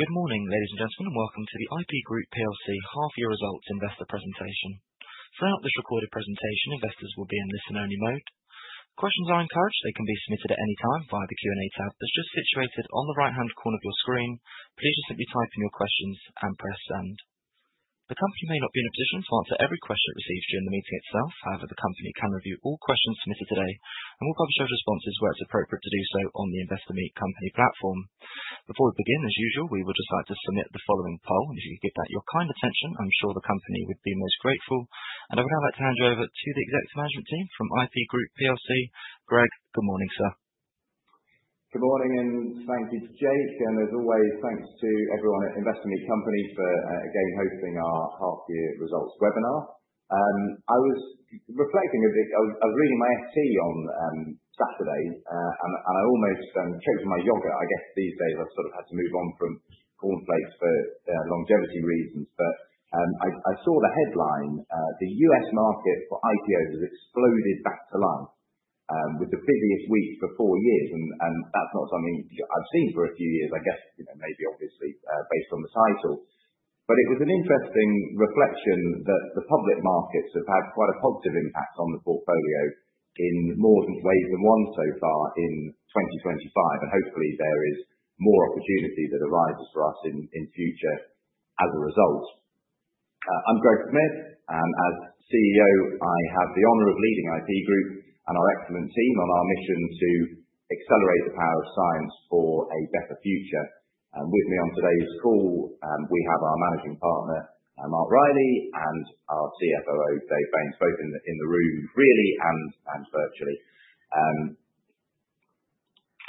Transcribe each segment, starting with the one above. Good morning, Ladies and Gentlemen, and welcome to the IP Group PLC Half-year Results Investor Presentation. Throughout this recorded presentation, investors will be in listen-only mode. Questions are encouraged. They can be submitted at any time via the Q&A tab that's just situated on the right-hand corner of your screen. Please just simply type in your questions and press send. The company may not be in a position to answer every question it receives during the meeting itself. However, the company can review all questions submitted today and will publish those responses where it's appropriate to do so on the Investor Meet Company platform. Before we begin, as usual, we would just like to submit the following poll, and if you could give that your kind attention, I'm sure the company would be most grateful. I would now like to hand you over to the Executive Management Team from IP Group PLC. Greg, good morning, sir. Good morning and thanks. It's Jake and, as always, thanks to everyone at Investor Meet Company for, again, hosting our half-year results webinar. I was reflecting a bit, I was reading my FT on Saturday, and I almost choked on my yogurt, I guess, these days. I've sort of had to move on from cornflakes for longevity reasons. But I saw the headline, "The US market for IPOs has exploded back to life," with the busiest week for four years. And that's not something I've seen for a few years, I guess, you know, maybe obviously, based on the title. But it was an interesting reflection that the public markets have had quite a positive impact on the portfolio in more than ways than one so far in 2025, and hopefully there is more opportunity that arises for us in future as a result. I'm Greg Smith, and as CEO, I have the honor of leading IP Group and our excellent team on our mission to accelerate the power of science for a better future. And with me on today's call, we have our managing partner, Mark Reilly, and our CFO, David Baynes, both in the room, really, and virtually.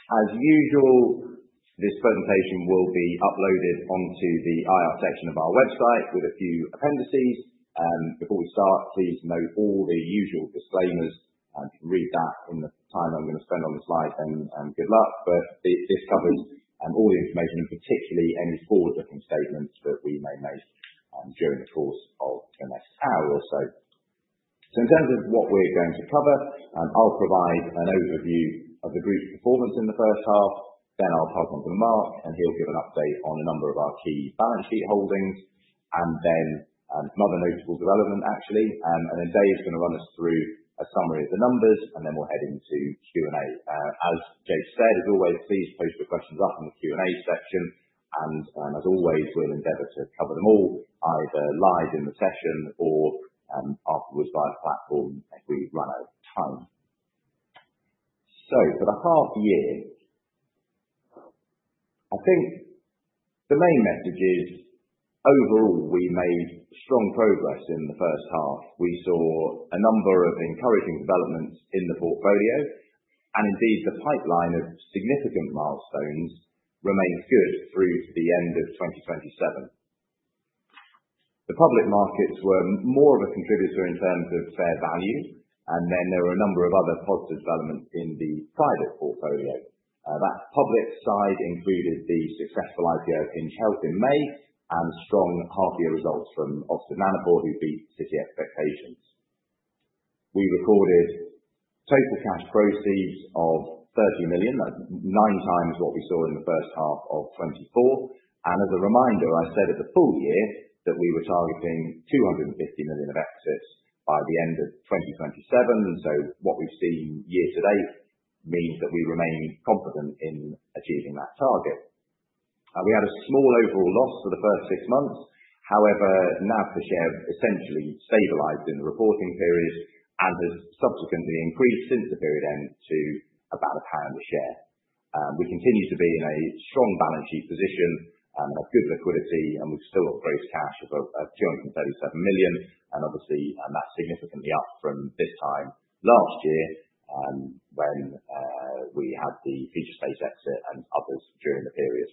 As usual, this presentation will be uploaded onto the IR section of our website with a few appendices. Before we start, please note all the usual disclaimers, and you can read that in the time I'm gonna spend on the slides, and good luck. But this covers all the information, and particularly any forward-looking statements that we may make, during the course of the next hour or so. So in terms of what we're going to cover, I'll provide an overview of the group's performance in the first half, then I'll pass on to Mark, and he'll give an update on a number of our key balance sheet holdings. And then, another notable development, actually, and then Dave's gonna run us through a summary of the numbers, and then we'll head into Q&A. As Jake said, as always, please post your questions up in the Q&A section, and, as always, we'll endeavor to cover them all either live in the session or, afterwards via the platform if we run out of time. So for the half-year, I think the main message is, overall, we made strong progress in the first half. We saw a number of encouraging developments in the portfolio, and indeed, the pipeline of significant milestones remains good through to the end of 2027. The public markets were more of a contributor in terms of fair value, and then there were a number of other positive developments in the private portfolio. That public side included the successful IPO of Hinge Health in May and strong half-year results from Oxford Nanopore, who beat city expectations. We recorded total cash proceeds of 30 million. That's nine times what we saw in the first half of 2024, and as a reminder, I said at the full year that we were targeting 250 million of exits by the end of 2027, so what we've seen year to date means that we remain confident in achieving that target. We had a small overall loss for the first six months. However, NAV per share essentially stabilized in the reporting period and has subsequently increased since the period end to about GBP 1 a share. We continue to be in a strong balance sheet position, and have good liquidity, and we've still got gross cash of 237 million. And obviously, that's significantly up from this time last year, when we had the Featurespace exit and others during the period.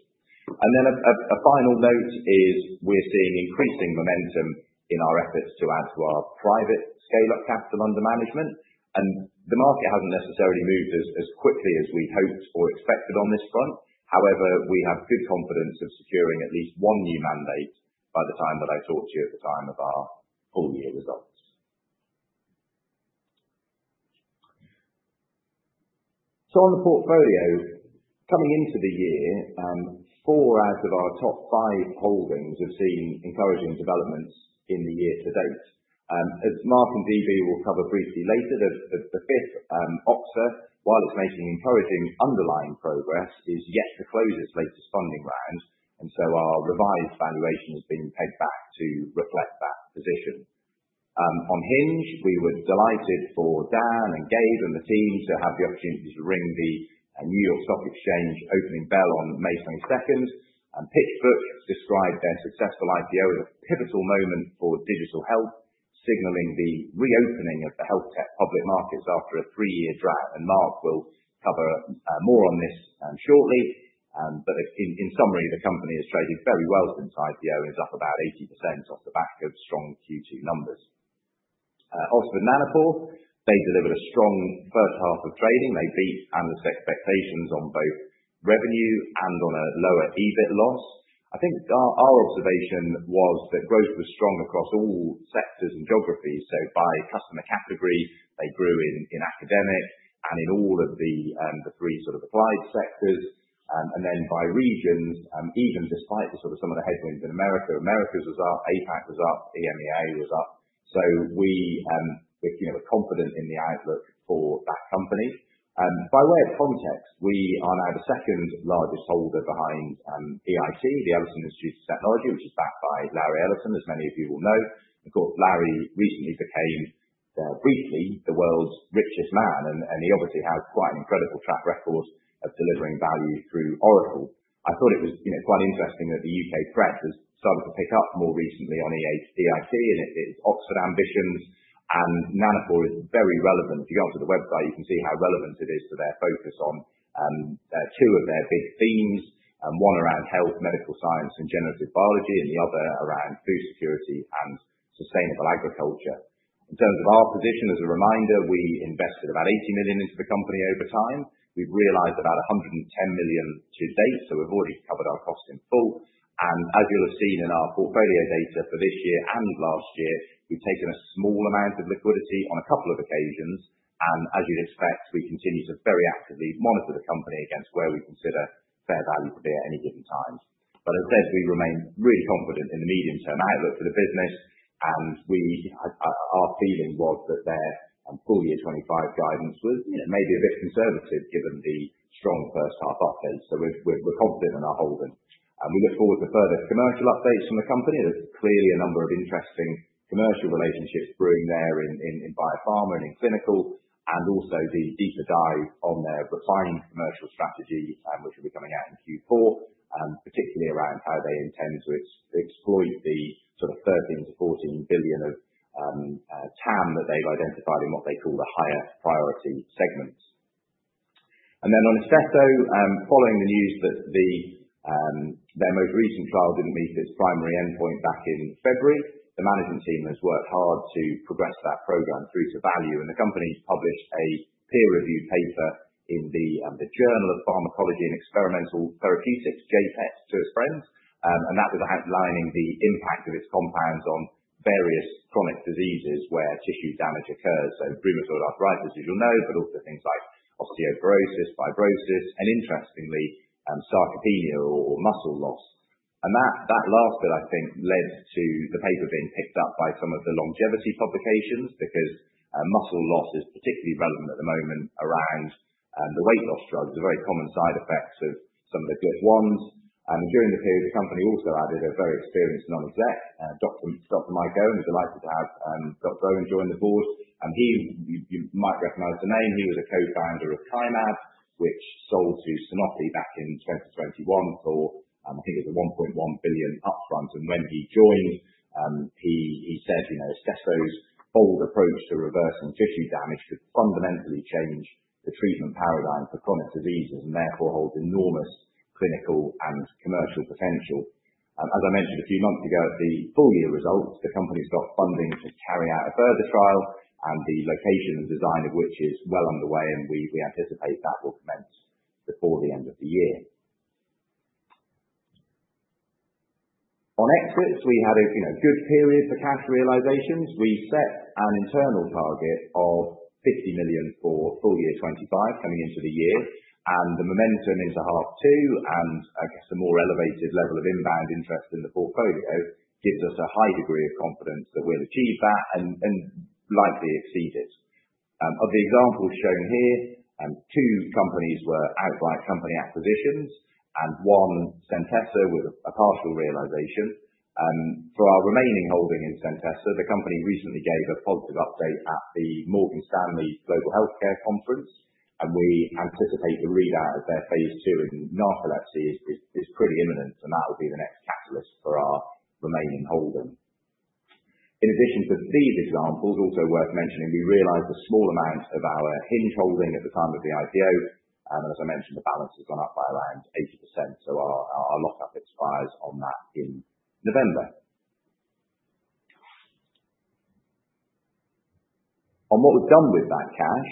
And then a final note is we're seeing increasing momentum in our efforts to add to our private scale-up capital under management. And the market hasn't necessarily moved as quickly as we'd hoped or expected on this front; however, we have good confidence of securing at least one new mandate by the time that I talk to you at the time of our full-year results. So on the portfolio, coming into the year, four out of our top five holdings have seen encouraging developments in the year to date. As Mark and DB will cover briefly later, the fifth, Oxa, while it's making encouraging underlying progress, is yet to close its latest funding round, and so our revised valuation has been paid back to reflect that position. On Hinge, we were delighted for Dan and Gabe and the team to have the opportunity to ring the New York Stock Exchange opening bell on May 22nd. PitchBook described their successful IPO as a pivotal moment for digital health, signaling the reopening of the health tech public markets after a three-year drought. Mark will cover more on this shortly. But in summary, the company has traded very well since IPO and is up about 80% off the back of strong Q2 numbers. Oxford Nanopore, they delivered a strong first half of trading. They beat analysts' expectations on both revenue and on a lower EBIT loss. I think our observation was that growth was strong across all sectors and geographies. So by customer category, they grew in academic and in all of the three sort of applied sectors. And then by regions, even despite the sort of some of the headwinds in America, Americas was up, APAC was up, EMEA was up. So we're, you know, confident in the outlook for that company. By way of context, we are now the second largest holder behind EIT, the Ellison Institute of Technology, which is backed by Larry Ellison, as many of you will know. Of course, Larry recently became briefly the world's richest man, and he obviously has quite an incredible track record of delivering value through Oracle. I thought it was, you know, quite interesting that the UK press has started to pick up more recently on EIT and its Oxford ambitions. Nanopore is very relevant. If you go onto the website, you can see how relevant it is to their focus on two of their big themes, one around health, medical science, and generative biology, and the other around food security and sustainable agriculture. In terms of our position, as a reminder, we invested about 80 million into the company over time. We've realized about 110 million to date, so we've already covered our cost in full. As you'll have seen in our portfolio data for this year and last year, we've taken a small amount of liquidity on a couple of occasions. As you'd expect, we continue to very actively monitor the company against where we consider fair value to be at any given time. As I said, we remain really confident in the medium-term outlook for the business, and we, our feeling was that their full-year 2025 guidance was, you know, maybe a bit conservative given the strong first half update. We're confident in our holding. We look forward to further commercial updates from the company. There's clearly a number of interesting commercial relationships brewing there in biopharma and in clinical, and also the deeper dive on their refined commercial strategy, which will be coming out in Q4, particularly around how they intend to exploit the sort of 13-14 billion of TAM that they've identified in what they call the higher priority segments. And then on Crescendo, following the news that their most recent trial didn't meet its primary endpoint back in February, the management team has worked hard to progress that program through to value. And the company's published a peer-reviewed paper in the Journal of Pharmacology and Experimental Therapeutics, JPET to its friends, and that was outlining the impact of its compounds on various chronic diseases where tissue damage occurs. So rheumatoid arthritis, as you'll know, but also things like osteoporosis, fibrosis, and interestingly, sarcopenia or muscle loss. And that last bit, I think, led to the paper being picked up by some of the longevity publications because muscle loss is particularly relevant at the moment around the weight loss drugs, the very common side effects of some of the good ones. And during the period, the company also added a very experienced non-exec, Dr. Mike Owen. Mike Owen. We're delighted to have Dr. Owen join the board. He—you, you might recognize the name—he was a co-founder of Kymab, which sold to Sanofi back in 2021 for, I think it was a $1.1 billion upfront. And when he joined, he, he said, you know, Crescendo's bold approach to reversing tissue damage could fundamentally change the treatment paradigm for chronic diseases and therefore hold enormous clinical and commercial potential. As I mentioned a few months ago at the full-year results, the company's got funding to carry out a further trial, and the location and design of which is well underway, and we, we anticipate that will commence before the end of the year. On exits, we had a, you know, good period for cash realizations. We set an internal target of 50 million for full-year 2025 coming into the year, and the momentum into half two and some more elevated level of inbound interest in the portfolio gives us a high degree of confidence that we'll achieve that and likely exceed it. Of the examples shown here, two companies were outright company acquisitions, and one Centessa was a partial realization. For our remaining holding in Centessa, the company recently gave a positive update at the Morgan Stanley Global Healthcare Conference, and we anticipate the readout of their phase two in narcolepsy is pretty imminent, and that will be the next catalyst for our remaining holding. In addition to these examples, also worth mentioning, we realized a small amount of our Hinge holding at the time of the IPO, and as I mentioned, the balance has gone up by around 80%. So our lockup expires on that in November. On what we've done with that cash,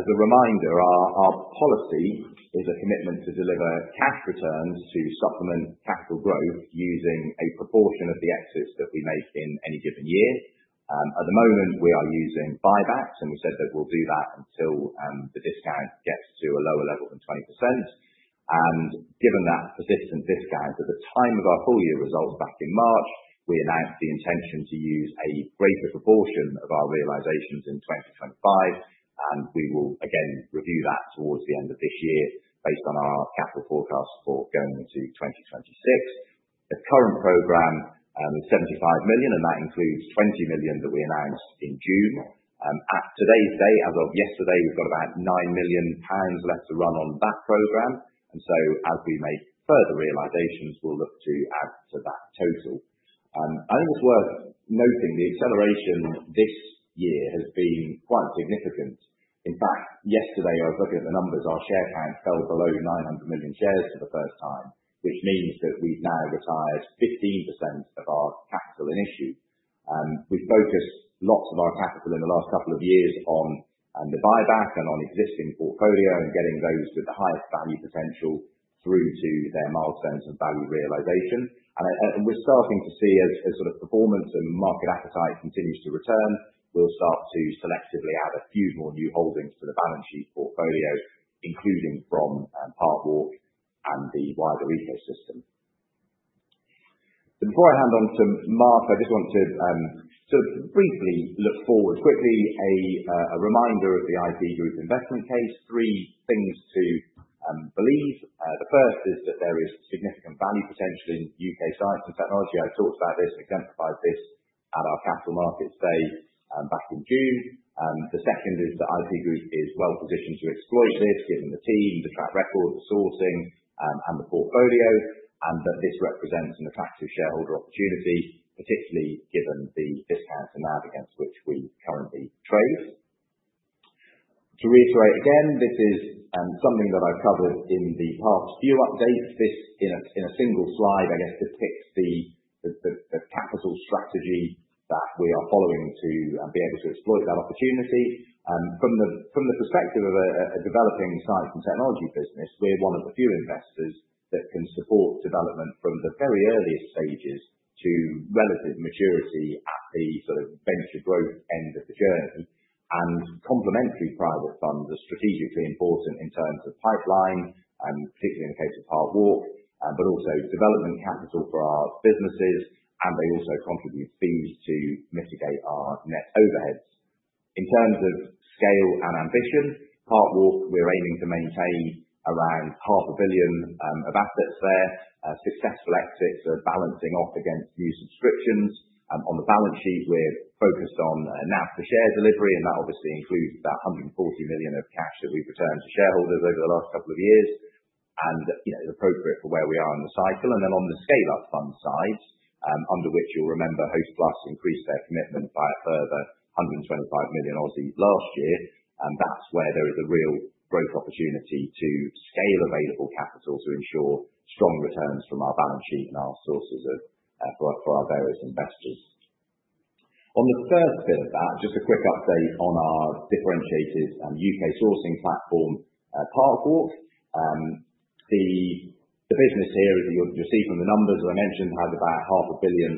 as a reminder, our policy is a commitment to deliver cash returns to supplement capital growth using a proportion of the exits that we make in any given year. At the moment, we are using buybacks, and we said that we'll do that until the discount gets to a lower level than 20%. And given that persistent discount at the time of our full-year results back in March, we announced the intention to use a greater proportion of our realizations in 2025, and we will again review that towards the end of this year based on our capital forecast for going into 2026. The current program is 75 million, and that includes 20 million that we announced in June. At today's date, as of yesterday, we've got about 9 million pounds left to run on that program, and so as we make further realizations, we'll look to add to that total. I think it's worth noting the acceleration this year has been quite significant. In fact, yesterday, I was looking at the numbers. Our share count fell below 900 million shares for the first time, which means that we've now retired 15% of our capital in issue. We've focused lots of our capital in the last couple of years on the buyback and on existing portfolio and getting those with the highest value potential through to their milestones of value realization, and we're starting to see, as sort of performance and market appetite continues to return, we'll start to selectively add a few more new holdings to the balance sheet portfolio, including from Parkwalk and the wider ecosystem. So before I hand over to Mark, I just want to sort of briefly look forward quickly. A reminder of the IP Group investment case: three things to believe. The first is that there is significant value potential in UK science and technology. I've talked about this and exemplified this at our capital markets day, back in June. The second is that IP Group is well positioned to exploit this, given the team, the track record, the sourcing, and the portfolio, and that this represents an attractive shareholder opportunity, particularly given the discount at which we currently trade. To reiterate again, this is something that I've covered in the past few updates. This in a single slide, I guess, depicts the capital strategy that we are following to be able to exploit that opportunity. From the perspective of a developing science and technology business, we're one of the few investors that can support development from the very earliest stages to relative maturity at the sort of venture growth end of the journey. Complementary private funds are strategically important in terms of pipeline, particularly in the case of Parkwalk, but also development capital for our businesses, and they also contribute fees to mitigate our net overheads. In terms of scale and ambition, Parkwalk, we're aiming to maintain around 500 million of assets there. Successful exits are balancing off against new subscriptions. On the balance sheet, we're focused on NAV per share delivery, and that obviously includes about 140 million of cash that we've returned to shareholders over the last couple of years. You know, it's appropriate for where we are in the cycle. Then on the scale-up fund side, under which you'll remember Hostplus increased their commitment by a further 125 million last year. That's where there is a real growth opportunity to scale available capital to ensure strong returns from our balance sheet and our sources of for our various investors. On the first bit of that, just a quick update on our differentiated U.K. sourcing platform, Parkwalk. The business here is that you'll see from the numbers, as I mentioned, has about 500 million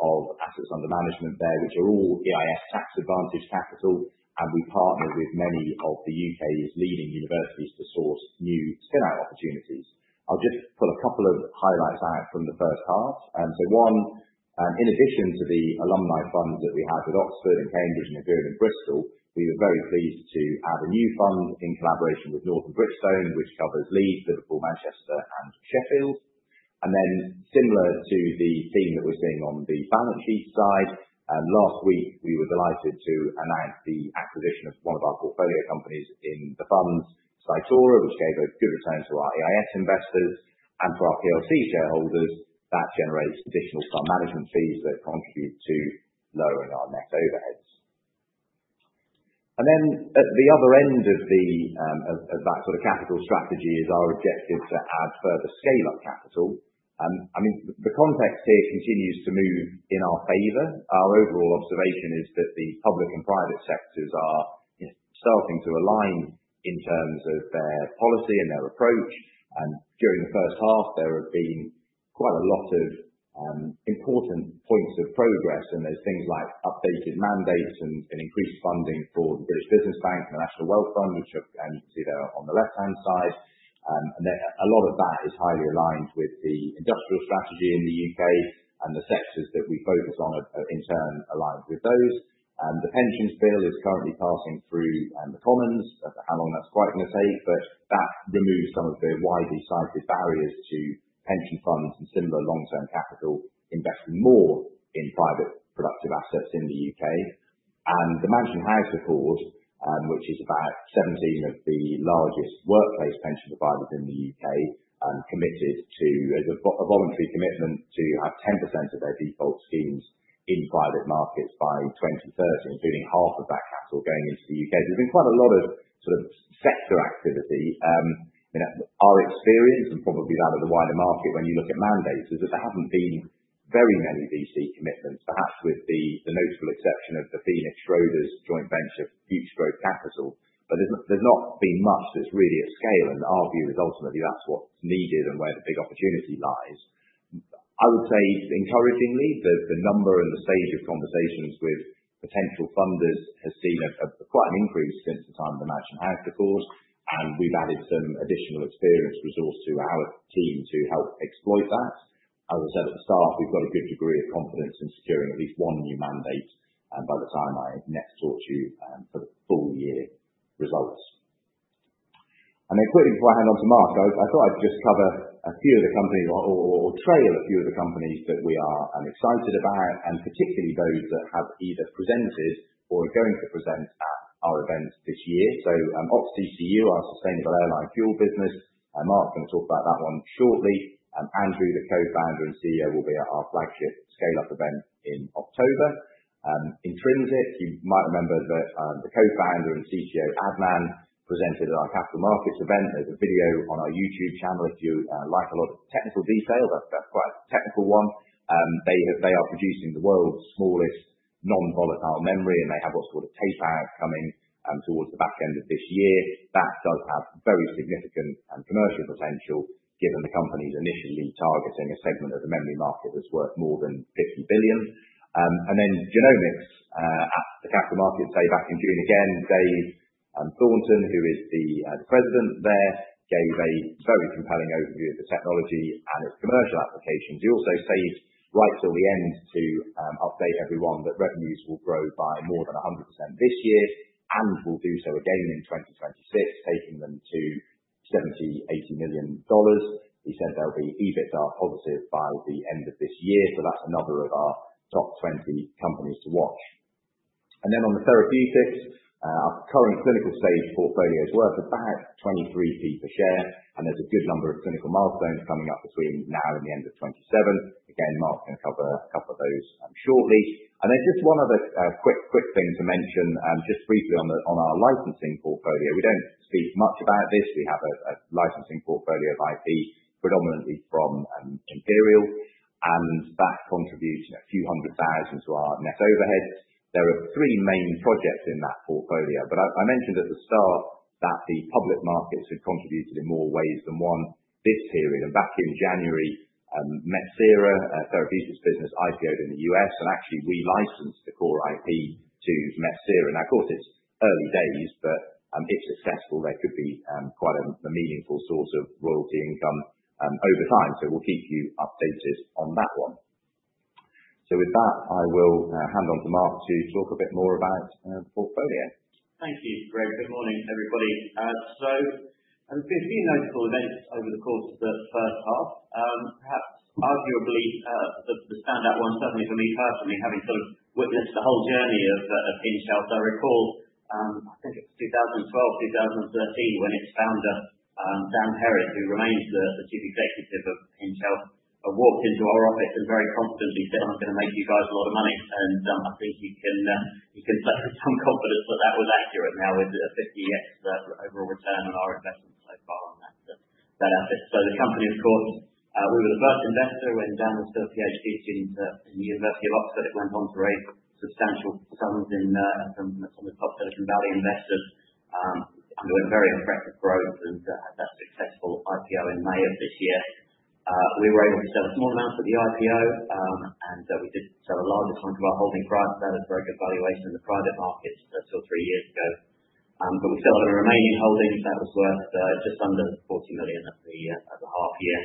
of assets under management there, which are all EIS tax-advantaged capital. We partner with many of the U.K.'s leading universities to source new spin-out opportunities. I'll just pull a couple of highlights out from the first half. So, one, in addition to the alumni funds that we had with Oxford and Cambridge and agreed in Bristol, we were very pleased to add a new fund in collaboration with Northern Gritstone, which covers Leeds, Liverpool, Manchester, and Sheffield. And then, similar to the theme that we're seeing on the balance sheet side, last week we were delighted to announce the acquisition of one of our portfolio companies in the funds, Cytora, which gave a good return to our EIS investors. And for our PLC shareholders, that generates additional fund management fees that contribute to lowering our net overheads. And then at the other end of that sort of capital strategy is our objective to add further scale-up capital. I mean, the context here continues to move in our favor. Our overall observation is that the public and private sectors are, you know, starting to align in terms of their policy and their approach. And during the first half, there have been quite a lot of important points of progress, and there's things like updated mandates and increased funding for the British Business Bank and the National Wealth Fund, which are, and you can see there on the left-hand side, and then a lot of that is highly aligned with the industrial strategy in the U.K., and the sectors that we focus on are in turn aligned with those. The pensions bill is currently passing through the Commons, but how long that's quite going to take, but that removes some of the widely cited barriers to pension funds and similar long-term capital investing more in private productive assets in the U.K. The Mansion House Compact, which is about 17 of the largest workplace pension providers in the U.K., committed to a voluntary commitment to have 10% of their default schemes in private markets by 2030, including half of that capital going into the U.K. There's been quite a lot of sort of sector activity. I mean, our experience, and probably that of the wider market when you look at mandates, is that there haven't been very many VC commitments, perhaps with the notable exception of the Phoenix Schroders joint venture, Future Growth Capital. But there's not been much that's really at scale, and our view is ultimately that's what's needed and where the big opportunity lies. I would say encouragingly that the number and the stage of conversations with potential funders has seen quite an increase since the time of the Mansion House Accord, and we've added some additional experienced resource to our team to help exploit that. As I said at the start, we've got a good degree of confidence in securing at least one new mandate by the time I next talk to you for the full-year results. Quickly before I hand over to Mark, I thought I'd just cover a few of the companies or trail a few of the companies that we are excited about, and particularly those that have either presented or are going to present at our event this year. OxCCU, our sustainable aviation fuel business, and Mark's going to talk about that one shortly. Andrew, the co-founder and CEO, will be at our flagship scale-up event in October. Intrinsic, you might remember that, the co-founder and CTO, Adnan, presented at our capital markets event. There's a video on our YouTube channel if you like a lot of technical detail. That's, that's quite a technical one. They are producing the world's smallest non-volatile memory, and they have what's called a tape-out coming towards the back end of this year. That does have very significant commercial potential given the company's initially targeting a segment of the memory market that's worth more than 50 billion. And then Genomics, at the capital markets day back in June again, Dave Thornton, who is the president there, gave a very compelling overview of the technology and its commercial applications. He also stayed right till the end to update everyone that revenues will grow by more than 100% this year and will do so again in 2026, taking them to $70-$80 million. He said they'll be EBITDA positive by the end of this year. So that's another of our top 20 companies to watch. And then on the therapeutics, our current clinical stage portfolio is worth about 23p per share, and there's a good number of clinical milestones coming up between now and the end of 2027. Again, Mark's going to cover a couple of those shortly. And then just one other quick thing to mention, just briefly on our licensing portfolio. We don't speak much about this. We have a licensing portfolio of IP, predominantly from Imperial, and that contributes a few hundred thousand to our net overheads. There are three main projects in that portfolio, but I mentioned at the start that the public markets have contributed in more ways than one this period. And back in January, Metsera therapeutics business IPO'd in the U.S., and actually we licensed the core IP to Metsera. Now, of course, it's early days, but if successful, there could be quite a meaningful source of royalty income over time. So we'll keep you updated on that one. So with that, I will hand over to Mark to talk a bit more about the portfolio. Thank you, Greg. Good morning, everybody. So there's been notable events over the course of the first half. Perhaps arguably, the standout one, certainly for me personally, having sort of witnessed the whole journey of Hinge Health. I recall, I think it's 2012, 2013, when its founder, Dan Perez, who remains the chief executive of Hinge Health, walked into our office and very confidently said, "I'm going to make you guys a lot of money." I think he can play with some confidence that that was accurate. Now, with a 50x overall return on our investment so far on that asset. So the company, of course, we were the first investor. When Dan was still a PhD student at the University of Oxford, it went on to raise substantial sums from some of the top Silicon Valley investors, underwent very impressive growth and had that successful IPO in May of this year. We were able to sell a small amount of the IPO, and we did sell a large amount of our holding price. That is a very good valuation in the private markets two or three years ago. But we still have a remaining holding that was worth just under 40 million at the half year.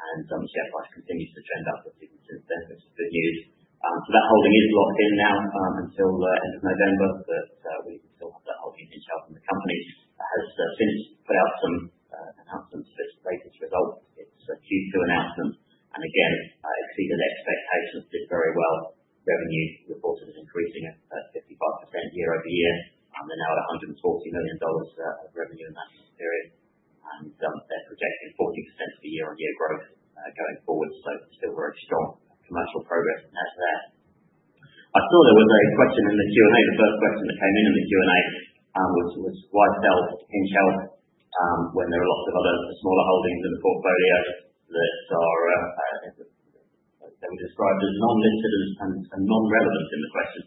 The share price continues to trend upwards even since then, which is good news. That holding is locked in now until the end of November. But we can still have that holding in Hinge Health. The company has since put out some announcements of its latest results. It is a Q2 announcement. It again exceeded expectations and did very well. Revenue reported as increasing at 55%year-over-year. They are now at $140 million of revenue in that period. They are projecting 40% year-on-year growth going forward. There is still very strong commercial progress there. I saw there was a question in the Q&A. The first question that came in in the Q&A was why sell Hinge Health, when there are lots of other smaller holdings in the portfolio that are, they were described as non-listed and non-relevant in the question.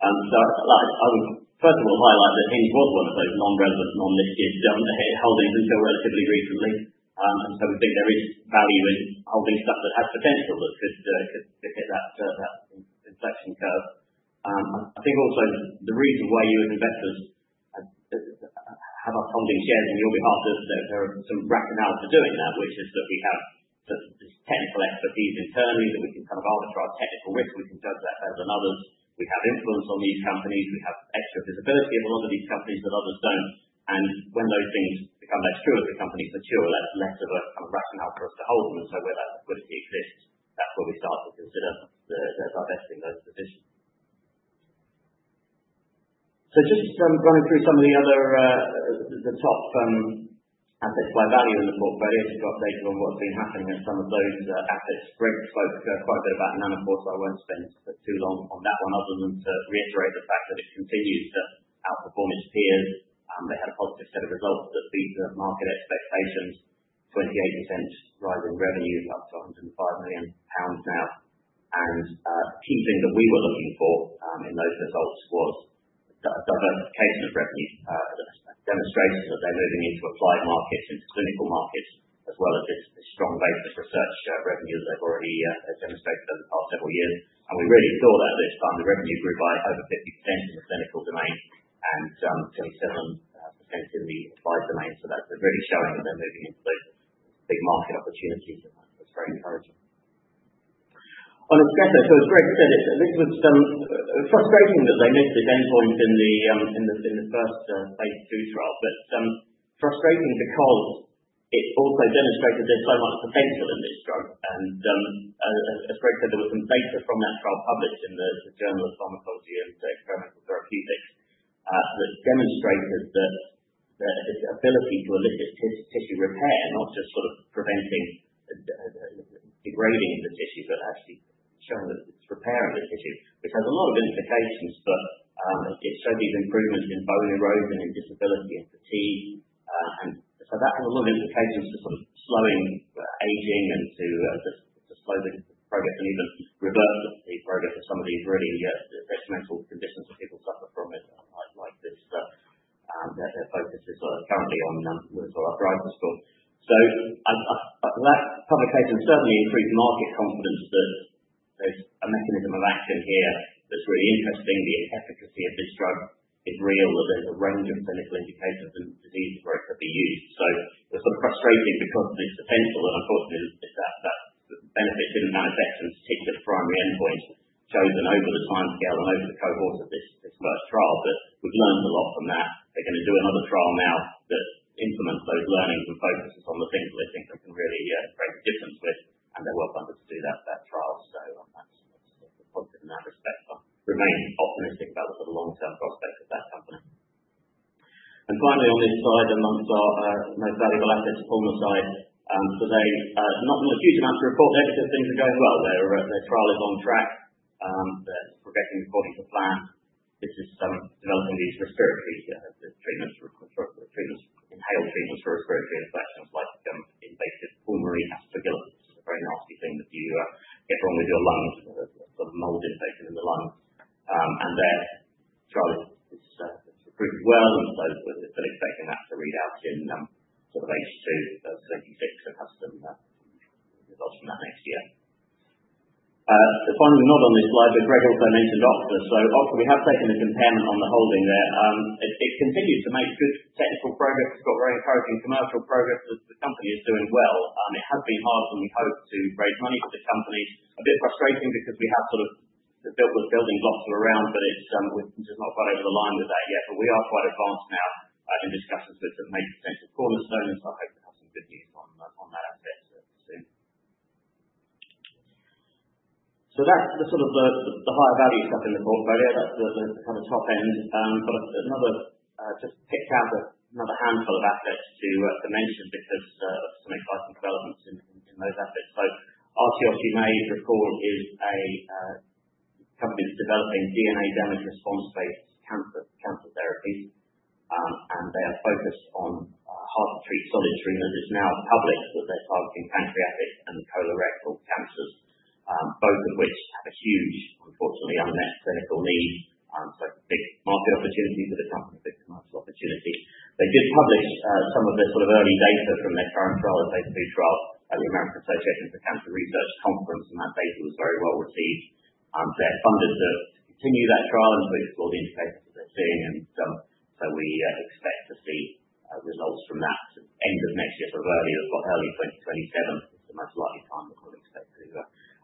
I would first of all highlight that Hinge Health was one of those non-relevant, non-listed holdings until relatively recently. We think there is value in holding stuff that has potential that could hit that inflection curve. I think also the reason why you as investors have us holding shares on your behalf, that there are some rationales for doing that, which is that we have sort of this technical expertise internally that we can kind of arbitrate our technical risk. We can judge that better than others. We have influence on these companies. We have extra visibility of a lot of these companies that others don't. And when those things become less true, as the companies mature, less of a kind of rationale for us to hold them. And so where that liquidity exists, that's where we start to consider the divesting those positions. So just running through some of the other top assets by value in the portfolio, just to update you on what's been happening at some of those assets. Greg spoke quite a bit about Nanopore, so I won't spend too long on that one other than to reiterate the fact that it continues to outperform its peers. They had a positive set of results that beat the market expectations, 28% rising revenue, up to 105 million pounds now. Key thing that we were looking for in those results was a diversification of revenue, demonstration that they're moving into applied markets, into clinical markets, as well as this strong basic research revenue that they've already demonstrated over the past several years. We really saw that at this time, the revenue grew by over 50% in the clinical domain and 27% in the applied domain. That's really showing that they're moving into those big market opportunities, and that was very encouraging. On its data, so as Greg said, this was frustrating that they missed the endpoint in the first Phase II trial, but frustrating because it also demonstrated there's so much potential in this drug. As Greg said, there was some data from that trial published in the Journal of Pharmacology and Experimental Therapeutics that demonstrated that the ability to elicit tissue repair, not just sort of preventing degrading of the tissue, but actually showing that it's repairing the tissue, which has a lot of implications. But it showed these improvements in bone erosion, in disability, in fatigue, and so that had a lot of implications to sort of slowing aging and to just to slow the progress and even reverse the progress of some of these really detrimental conditions that people suffer from, like this, that their focus is currently on with arthritis for. So, I that publication certainly increased market confidence that there's a mechanism of action here that's really interesting. The efficacy of this drug is real, that there's a range of clinical indications and diseases where it could be used. So it was sort of frustrating because of its potential. And unfortunately, that benefit didn't manifest in particular primary endpoints chosen over the timescale and over the cohort of this first trial. But we've learned a lot from that. They're going to do another trial now that implements those learnings and focuses on the things that they think they can really create a difference with, and they're well funded to do that trial. So, that's the positive in that respect. I remain optimistic about the sort of long-term prospect of that company. And finally, on this slide, among our most valuable assets, Pulmocide. So, not a huge amount to report there because things are going well. Their trial is on track. They're progressing according to plan. This is developing these respiratory treatments, inhaled treatments for respiratory infections like invasive pulmonary aspergillosis, which is a very nasty thing that you get wrong with your lungs, a sort of mold infection in the lungs. And their trial is approved as well. And so we're still expecting that to read out in sort of H2 2026 and have some results from that next year. The final one on this slide, but Greg also mentioned Oxford. So Oxford, we have taken a position on the holding there. It continues to make good technical progress. It's got very encouraging commercial progress. The company is doing well. It has been hard when we hope to raise money for the company. A bit frustrating because we have sort of built those building blocks all around, but it's, we're just not quite over the line with that yet. But we are quite advanced now, in discussions with the major potential cornerstone. And so I hope to have some good news on that asset soon. So that's the sort of the higher value stuff in the portfolio. That's the kind of top end. But another, just picked out another handful of assets to mention because of some exciting developments in those assets. So Artios, recall, is a company that's developing DNA damage response-based cancer therapies. And they are focused on hard-to-treat solid tumors. It's now public that they're targeting pancreatic and colorectal cancers, both of which have a huge, unfortunately, unmet clinical need. So big market opportunity for the company, big commercial opportunity. They did publish some of the sort of early data from their current trial, the phase two trial, at the American Association for Cancer Research Conference, and that data was very well received. They're funded to continue that trial and to explore the indications that they're seeing, so we expect to see results from that end of next year. Sort of early 2027 is the most likely time that we'll expect to.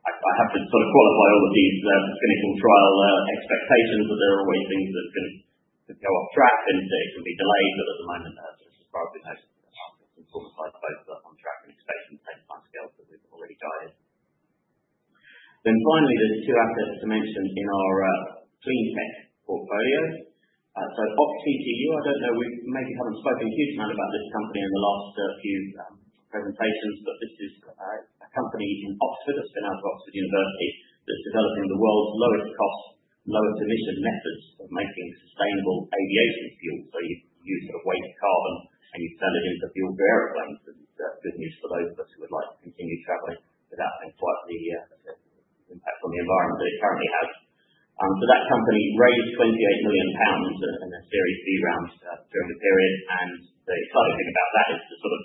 I have to sort of qualify all of these clinical trial expectations that there are always things that can go off track and it can be delayed, but at the moment, this is probably most importantly both on track and expecting the same timescales that we've already guided. Finally, there's two assets to mention in our clean tech portfolios. OxCCU. I don't know, we maybe haven't spoken a huge amount about this company in the last few presentations, but this is a company in Oxford that's spun out of the University of Oxford that's developing the world's lowest cost, lowest emission methods of making sustainable aviation fuel. You use sort of waste carbon and you turn it into fuel for airplanes. It's good news for those of us who would like to continue traveling without being quite the impact on the environment that it currently has. That company raised 28 million pounds in a Series B round during the period. The exciting thing about that is the sort of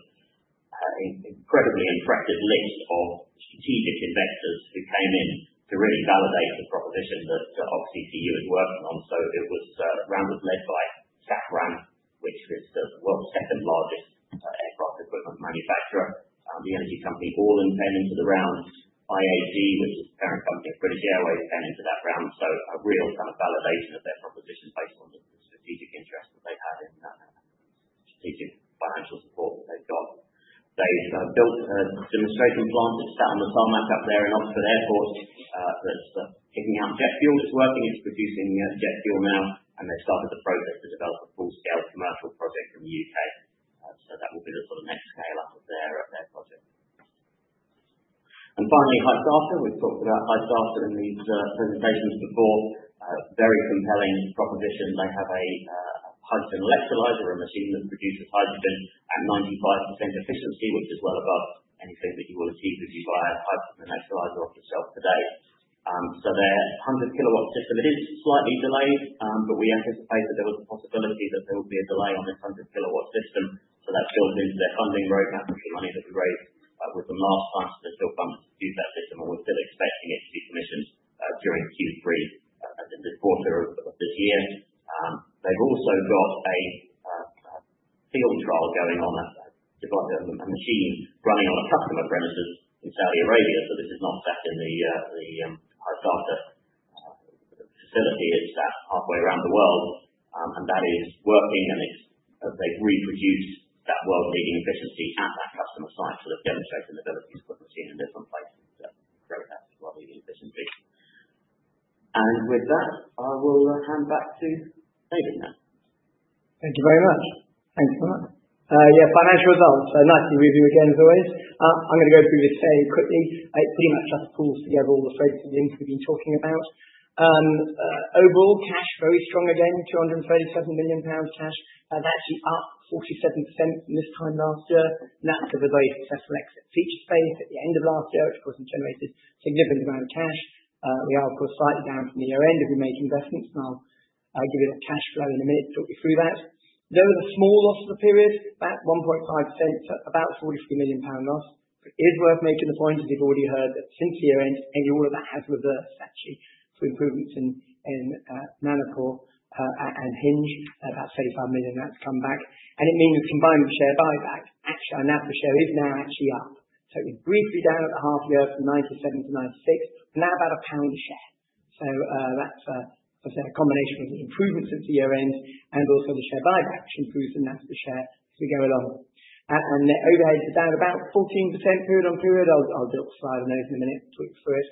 incredibly impressive list of strategic investors who came in to really validate the proposition that OxCCU is working on. The round was led by Safran, which is the world's second largest aircraft equipment manufacturer. The energy company, Aramco Ventures put in to the round, IAG, which is the parent company of British Airways, put in to that round. So a real kind of validation of their proposition based on the strategic interest that they had in strategic financial support that they've got. They've built demonstration plant. It's sat on the tarmac up there in Oxford Airport, that's kicking out jet fuel. It's working. It's producing jet fuel now. And they've started the process to develop a full-scale commercial project in the UK. So that will be the sort of next scale up of their their project. And finally, Hysata. We've talked about Hysata in these presentations before. Very compelling proposition. They have a hydrogen electrolyzer, a machine that produces hydrogen at 95% efficiency, which is well above anything that you will achieve if you buy a hydrogen electrolyzer off the shelf today. So their 100 kW system, it is slightly delayed. But we anticipate that there was a possibility that there would be a delay on this 100 kW system. So that's built into their funding roadmap with the money that we raised with them last time. So they're still funded to use that system. And we're still expecting it to be commissioned during Q3, at the mid-quarter of this year. They've also got a field trial going on, a device, a machine running on a customer premises in Saudi Arabia. So this is not sat in the Hysata facility. It's sat halfway around the world. And that is working. And it's, they've reproduced that world-leading efficiency at that customer site. So they've demonstrated the ability to put the machine in different places. So great asset, world-leading efficiency. And with that, I will hand back to David now. Thank you very much. Thanks so much. Yeah, financial results, so a nice review again, as always. I'm going to go through this fairly quickly. It pretty much just pulls together all the phrases and links we've been talking about. Overall cash, very strong again, 237 million pounds cash. That's actually up 47% from this time last year. And that's because of the successful exit of Featurespace at the end of last year, which, of course, has generated a significant amount of cash. We are, of course, slightly down from the year-end if we make investments. And I'll give you that cash flow in a minute, talk you through that. There was a small loss for the period, about 1.5%, about 43 million pound loss. It is worth making the point, as you've already heard, that since the year-end, nearly all of that has reversed, actually, through improvements in Nanopore and Hinge, about 35 million. That's come back. It means combined with share buyback, actually, our NAV per share is now actually up. So it was briefly down at the half year from 97 to 96, now about a pound a share. That's, obviously a combination of the improvements since the year-end and also the share buyback, which improves the NAV per share as we go along. And their overhead is down about 14% period on period. I'll do a slide on those in a minute, talk you through it.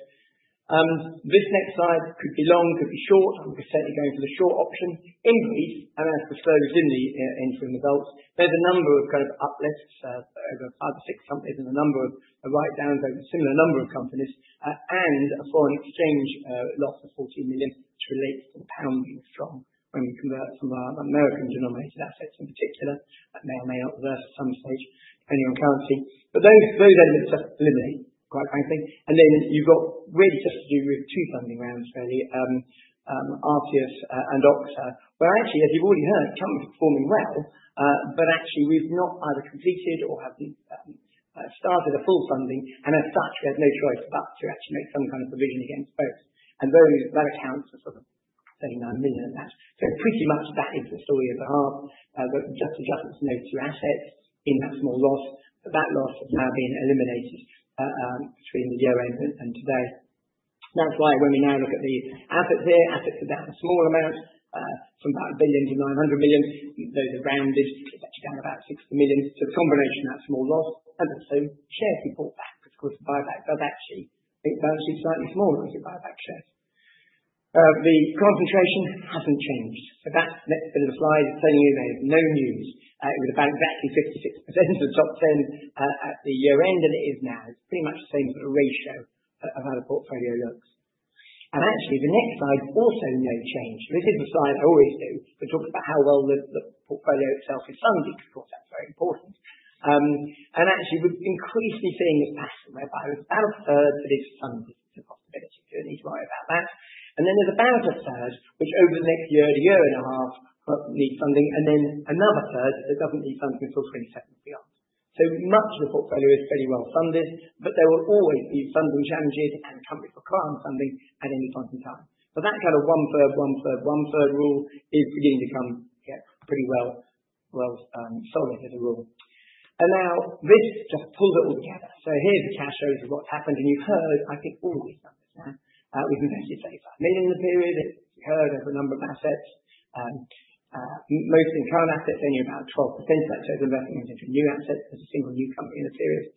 This next slide could be long, could be short. I'm certainly going for the short option. In brief, and as discussed in the interim results, there's a number of kind of uplifts over five or six companies and a number of write-downs, a similar number of companies, and a foreign exchange loss of 14 million, which relates to the pound being strong when we convert from our American-denominated assets in particular. That may or may not reverse at some stage, depending on currency. Those elements just eliminate, quite frankly. You've got really just to do with two funding rounds, really, Artios and Oxa, where actually, as you've already heard, companies are performing well, but actually we've not either completed or haven't started a full funding. As such, we had no choice but to actually make some kind of provision against both. That accounts for sort of 39 million at that. So pretty much that is the story of the half, that just adjusted to those two assets in that small loss. But that loss has now been eliminated, between the year-end and today. That's why when we now look at the assets here, assets are down a small amount, from about 1 billion to 900 million. Those are rounded, it's actually down about 6 million. So the combination of that small loss and the same shares we bought back, because of course, the buyback does actually, I think it's actually slightly smaller if you buy back shares. The concentration hasn't changed. So that's the bit of the slide. It's telling you there is no news. It was about exactly 56% of the top 10, at the year-end, and it is now. It's pretty much the same sort of ratio of how the portfolio looks. Actually, the next slide's also no change. This is the slide I always do, but talks about how well the portfolio itself is funded, because of course, that's very important. Actually we're increasingly seeing this pattern whereby it was about a third that is funded to profitability, so you don't need to worry about that. Then there's about a third, which over the next year to year and a half, needs funding. Then another third that doesn't need funding until 2027 and beyond. So much of the portfolio is pretty well funded, but there will always be funding challenges and companies will raise funding at any point in time. So that kind of one-third, one-third, one-third rule is beginning to come, yeah, pretty well solid as a rule. Now this just pulls it all together. So here's the cash flows of what's happened. And you've heard, I think, all of these numbers now. We've invested 35 million in the period. It's spread over a number of assets, mostly current assets, only about 12%. That shows investment into new assets as a single new company in the series.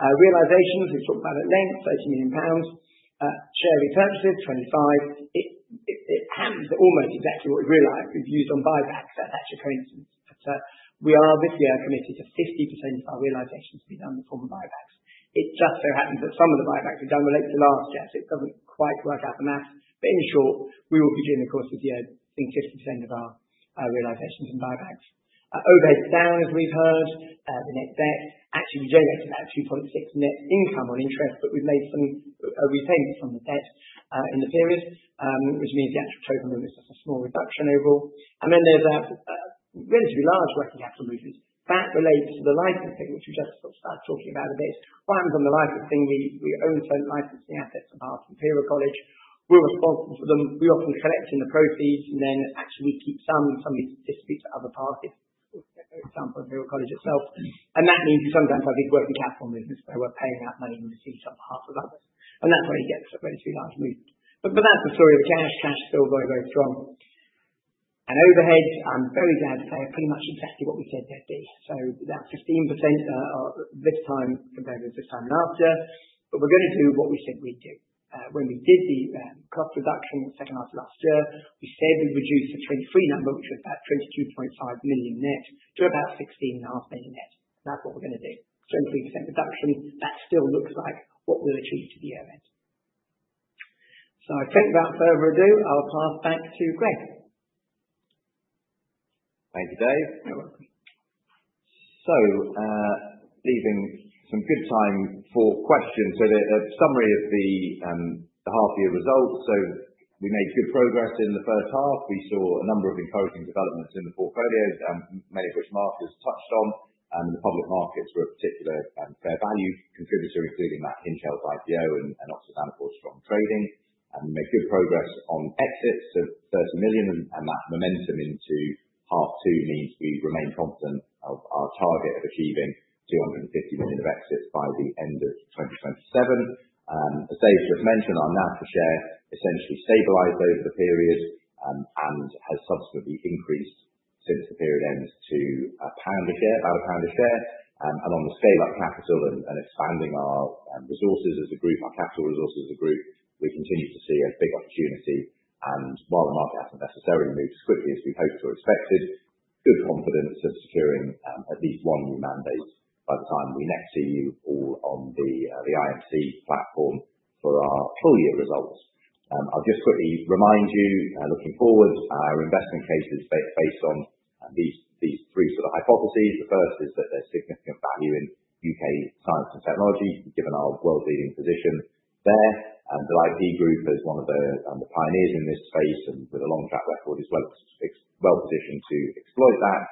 Realizations we've talked about at length, GBP 30 million. Share repurchases, 25. It happens almost exactly what we've realized we've used on buybacks. That's your current instance. But we are this year committed to 50% of our realizations to be done in the form of buybacks. It just so happens that some of the buybacks we've done relate to last year, so it doesn't quite work out the math. But in short, we will be doing, of course, this year, I think 50% of our realizations in buybacks. Overhead is down, as we've heard. The net debt, actually, we generated about 2.6 net income on interest, but we've made some repayments on the debt in the period, which means the actual total movement is just a small reduction overall. And then there's a relatively large working capital movement. That relates to the licensing, which we just sort of started talking about a bit. While I'm on the licensing, we own certain licensing assets on behalf of Imperial College London. We're responsible for them. We often collect in the proceeds, and then actually we keep some, and some we distribute to other parties, for example, Imperial College London itself. And that means we sometimes have these working capital movements where we're paying out money in receipts on behalf of others. And that's where you get relatively large movement. But that's the story of the cash. Cash is still very, very strong. And overhead, I'm very glad to say pretty much exactly what we said there'd be. So about 15%, or this time compared with this time last year. But we're going to do what we said we'd do. When we did the cost reduction in the second half of last year, we said we'd reduce the 23 number, which was about 22.5 million net, to about 16.5 million net. And that's what we're going to do. 23% reduction. That still looks like what we'll achieve to the year-end. So I think without further ado, I'll pass back to Greg. Thank you, Dave. You're welcome. So, leaving some good time for questions. So the summary of the half-year results. So we made good progress in the first half. We saw a number of encouraging developments in the portfolios, many of which Mark has touched on. And the public markets were a particularly fair value contributor, including that Hinge Health's IPO and Oxford Nanopore's strong trading. And we made good progress on exits to 30 million. And that momentum into half two means we remain confident of our target of achieving 250 million of exits by the end of 2027. As Dave just mentioned, our NAV per share essentially stabilized over the period, and has subsequently increased since the period ends to GBP 1 a share, about GBP 1 a share. And on the scale-up capital and expanding our resources as a group, our capital resources as a group, we continue to see a big opportunity. And while the market hasn't necessarily moved as quickly as we hoped or expected, we have good confidence of securing at least one new mandate by the time we next see you all on the IMC platform for our full year results. I'll just quickly remind you, looking forward, our investment case is based on these three sort of hypotheses. The first is that there's significant value in U.K. science and technology, given our world-leading position there. The IP Group as one of the pioneers in this space and with a long track record is well-positioned to exploit that.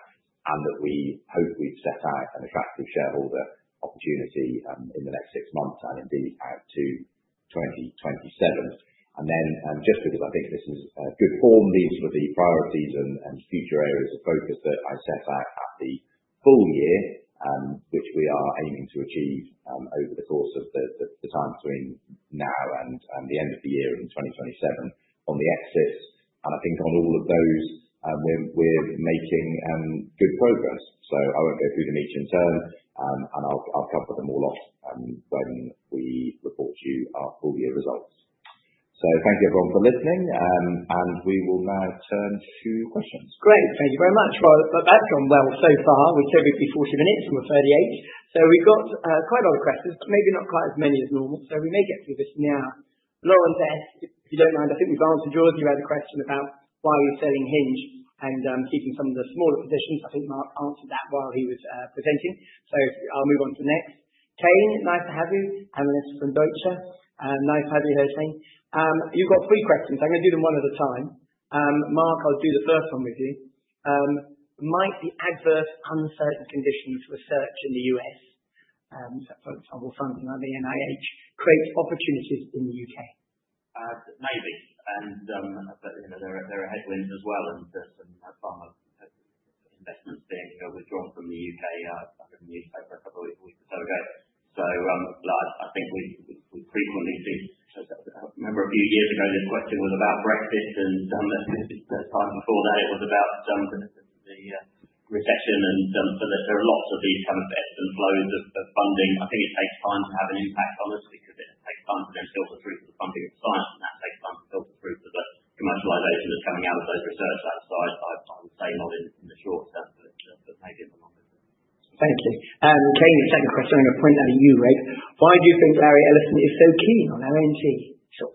And that we hope we've set out an attractive shareholder opportunity, in the next six months and indeed out to 2027. And then, just because I think this is a good form, these were the priorities and future areas of focus that I set out at the full year, which we are aiming to achieve, over the course of the time between now and the end of the year in 2027 on the exits. And I think on all of those, we're making good progress. So I won't go through them each in turn, and I'll cover them all off when we report to you our full year results. So thank you everyone for listening, and we will now turn to questions. Great. Thank you very much. Well, that's gone well so far. We're typically 40 minutes from a 38. So we've got quite a lot of questions, but maybe not quite as many as normal. So we may get through this now. Lauren Beth, if you don't mind, I think we've answered yours as you had a question about why we're selling Hinge and keeping some of the smaller positions. I think Mark answered that while he was presenting. So I'll move on to the next. Kean, nice to have you. Analyst from Deutsche. Nice to have you here, Kean. You've got three questions. I'm going to do them one at a time. Mark, I'll do the first one with you. Might the adverse uncertain conditions for research in the U.S., for example, funding like the NIH, create opportunities in the U.K.? Maybe. But you know, there are headwinds as well and some foreign investments being, you know, withdrawn from the U.K., from the newspaper a couple of weeks or so ago. I think we frequently see. I remember a few years ago this question was about Brexit and the time before that it was about the recession. And so that there are lots of these kind of ebbs and flows of funding. I think it takes time to have an impact on us because it takes time for them to filter through to the funding of science. And that takes time to filter through to the commercialization that's coming out of those research labs. So I would say not in the short term, but maybe in the longer term. Thank you. Kane, second question. I'm going to point that at you, Greg. Why do you think Larry Ellison is so keen on R&D? Sure.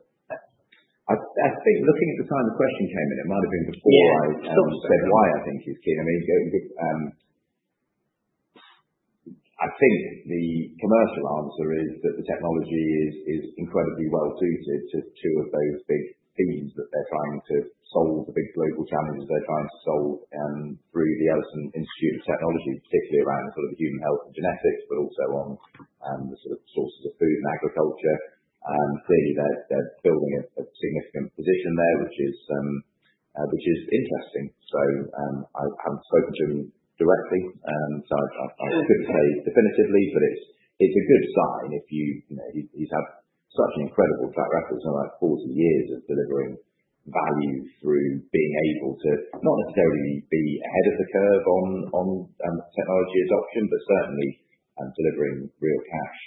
I think looking at the time the question came in, it might have been before I said why I think he's keen. I mean, I think the commercial answer is that the technology is incredibly well suited to two of those big themes that they're trying to solve, the big global challenges they're trying to solve, through the Ellison Institute of Technology, particularly around sort of the human health and genetics, but also on the sort of sources of food and agriculture. Clearly they're building a significant position there, which is interesting. So, I haven't spoken to him directly. So I couldn't say definitively, but it's a good sign if you know, he's had such an incredible track record in like 40 years of delivering value through being able to not necessarily be ahead of the curve on technology adoption, but certainly delivering real cash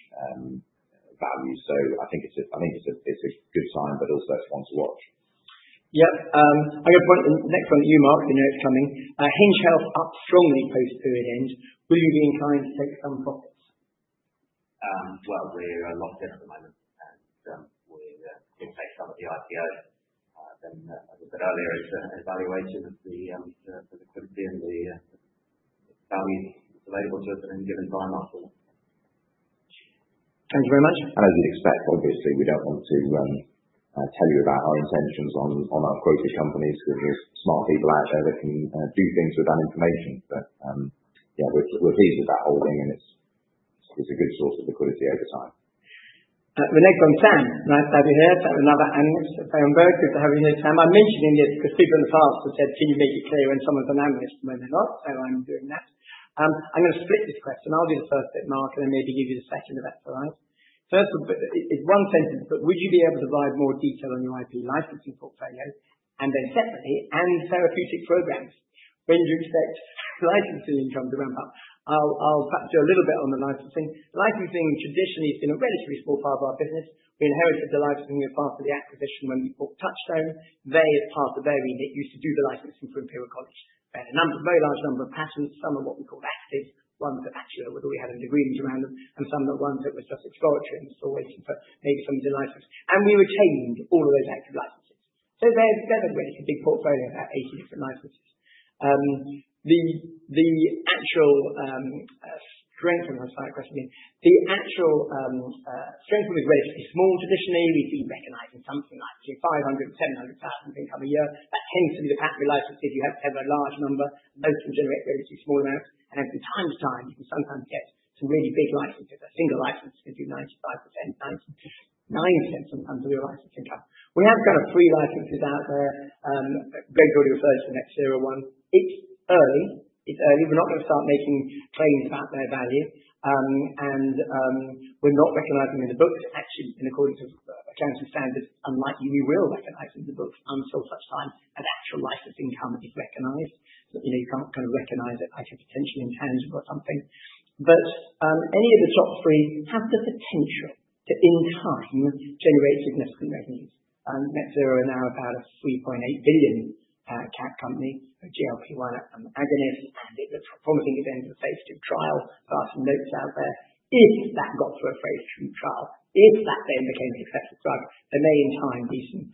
value. So I think it's a good sign, but also it's one to watch. Yep. I've got a point. The next one to you, Mark, the note's coming. Hinge Health up strongly post period end. Will you be inclined to take some profits? Well, we're locked in at the moment and we'll take some of the IPO. Then, as I said earlier, it's an evaluation of the liquidity and the value that's available to us at any given time afterwards. Thank you very much. And as you'd expect, obviously, we don't want to tell you about our intentions on our quoted companies because there's smart people out there that can do things with that information. But, yeah, we're pleased with that holding and it's a good source of liquidity over time. The next one, Sam. Nice to have you here. Sam, another analyst at Berenberg. Good to have you here, Sam. I'm mentioning this because people in the past have said, can you make it clear when someone's an analyst and when they're not? So I'm doing that. I'm going to split this question. I'll do the first bit, Mark, and then maybe give you the second if that's all right. First, it's one sentence, but would you be able to provide more detail on your IP licensing portfolio and then separately and therapeutic programs when you expect licensing in terms of ramp up? I'll, I'll perhaps do a little bit on the licensing. Licensing traditionally has been a relatively small part of our business. We inherited the licensing in part of the acquisition when we bought Touchstone. They, as part of their remit, used to do the licensing for Imperial College. They had a number, a very large number of patents. Some are what we call active, ones that actually were that we had an agreement around them, and some that were ones that were just exploratory and we're still waiting for maybe some of the license. And we retained all of those active licenses. So they're, they're a really big portfolio, about 80 different licenses. The actual strength of it is relatively small traditionally. We've been recognizing something like between 500,000 and 700,000 income a year. That tends to be the patent licenses. You have to have a large number. Those can generate relatively small amounts. And from time to time, you can sometimes get some really big licenses. A single license can do 95%, 90%, 9% sometimes of your license income. We have kind of three licenses out there. Greg's already referred to the Net Zero one. It's early. We're not going to start making claims about their value, and we're not recognizing in the books. Actually, in accordance with accounting standards, it's unlikely we will recognize in the books until such time as actual licensing income is recognized. So, you know, you can't kind of recognize it like a potential intangible or something. But any of the top three have the potential to, in time, generate significant revenues. Metsera is now about a $3.8 billion cap company of GLP-1 agonists. And it was promising at the end of the phase two trial. So I have some notes out there. If that got to a phase two trial, if that then became a successful product, there may in time be some,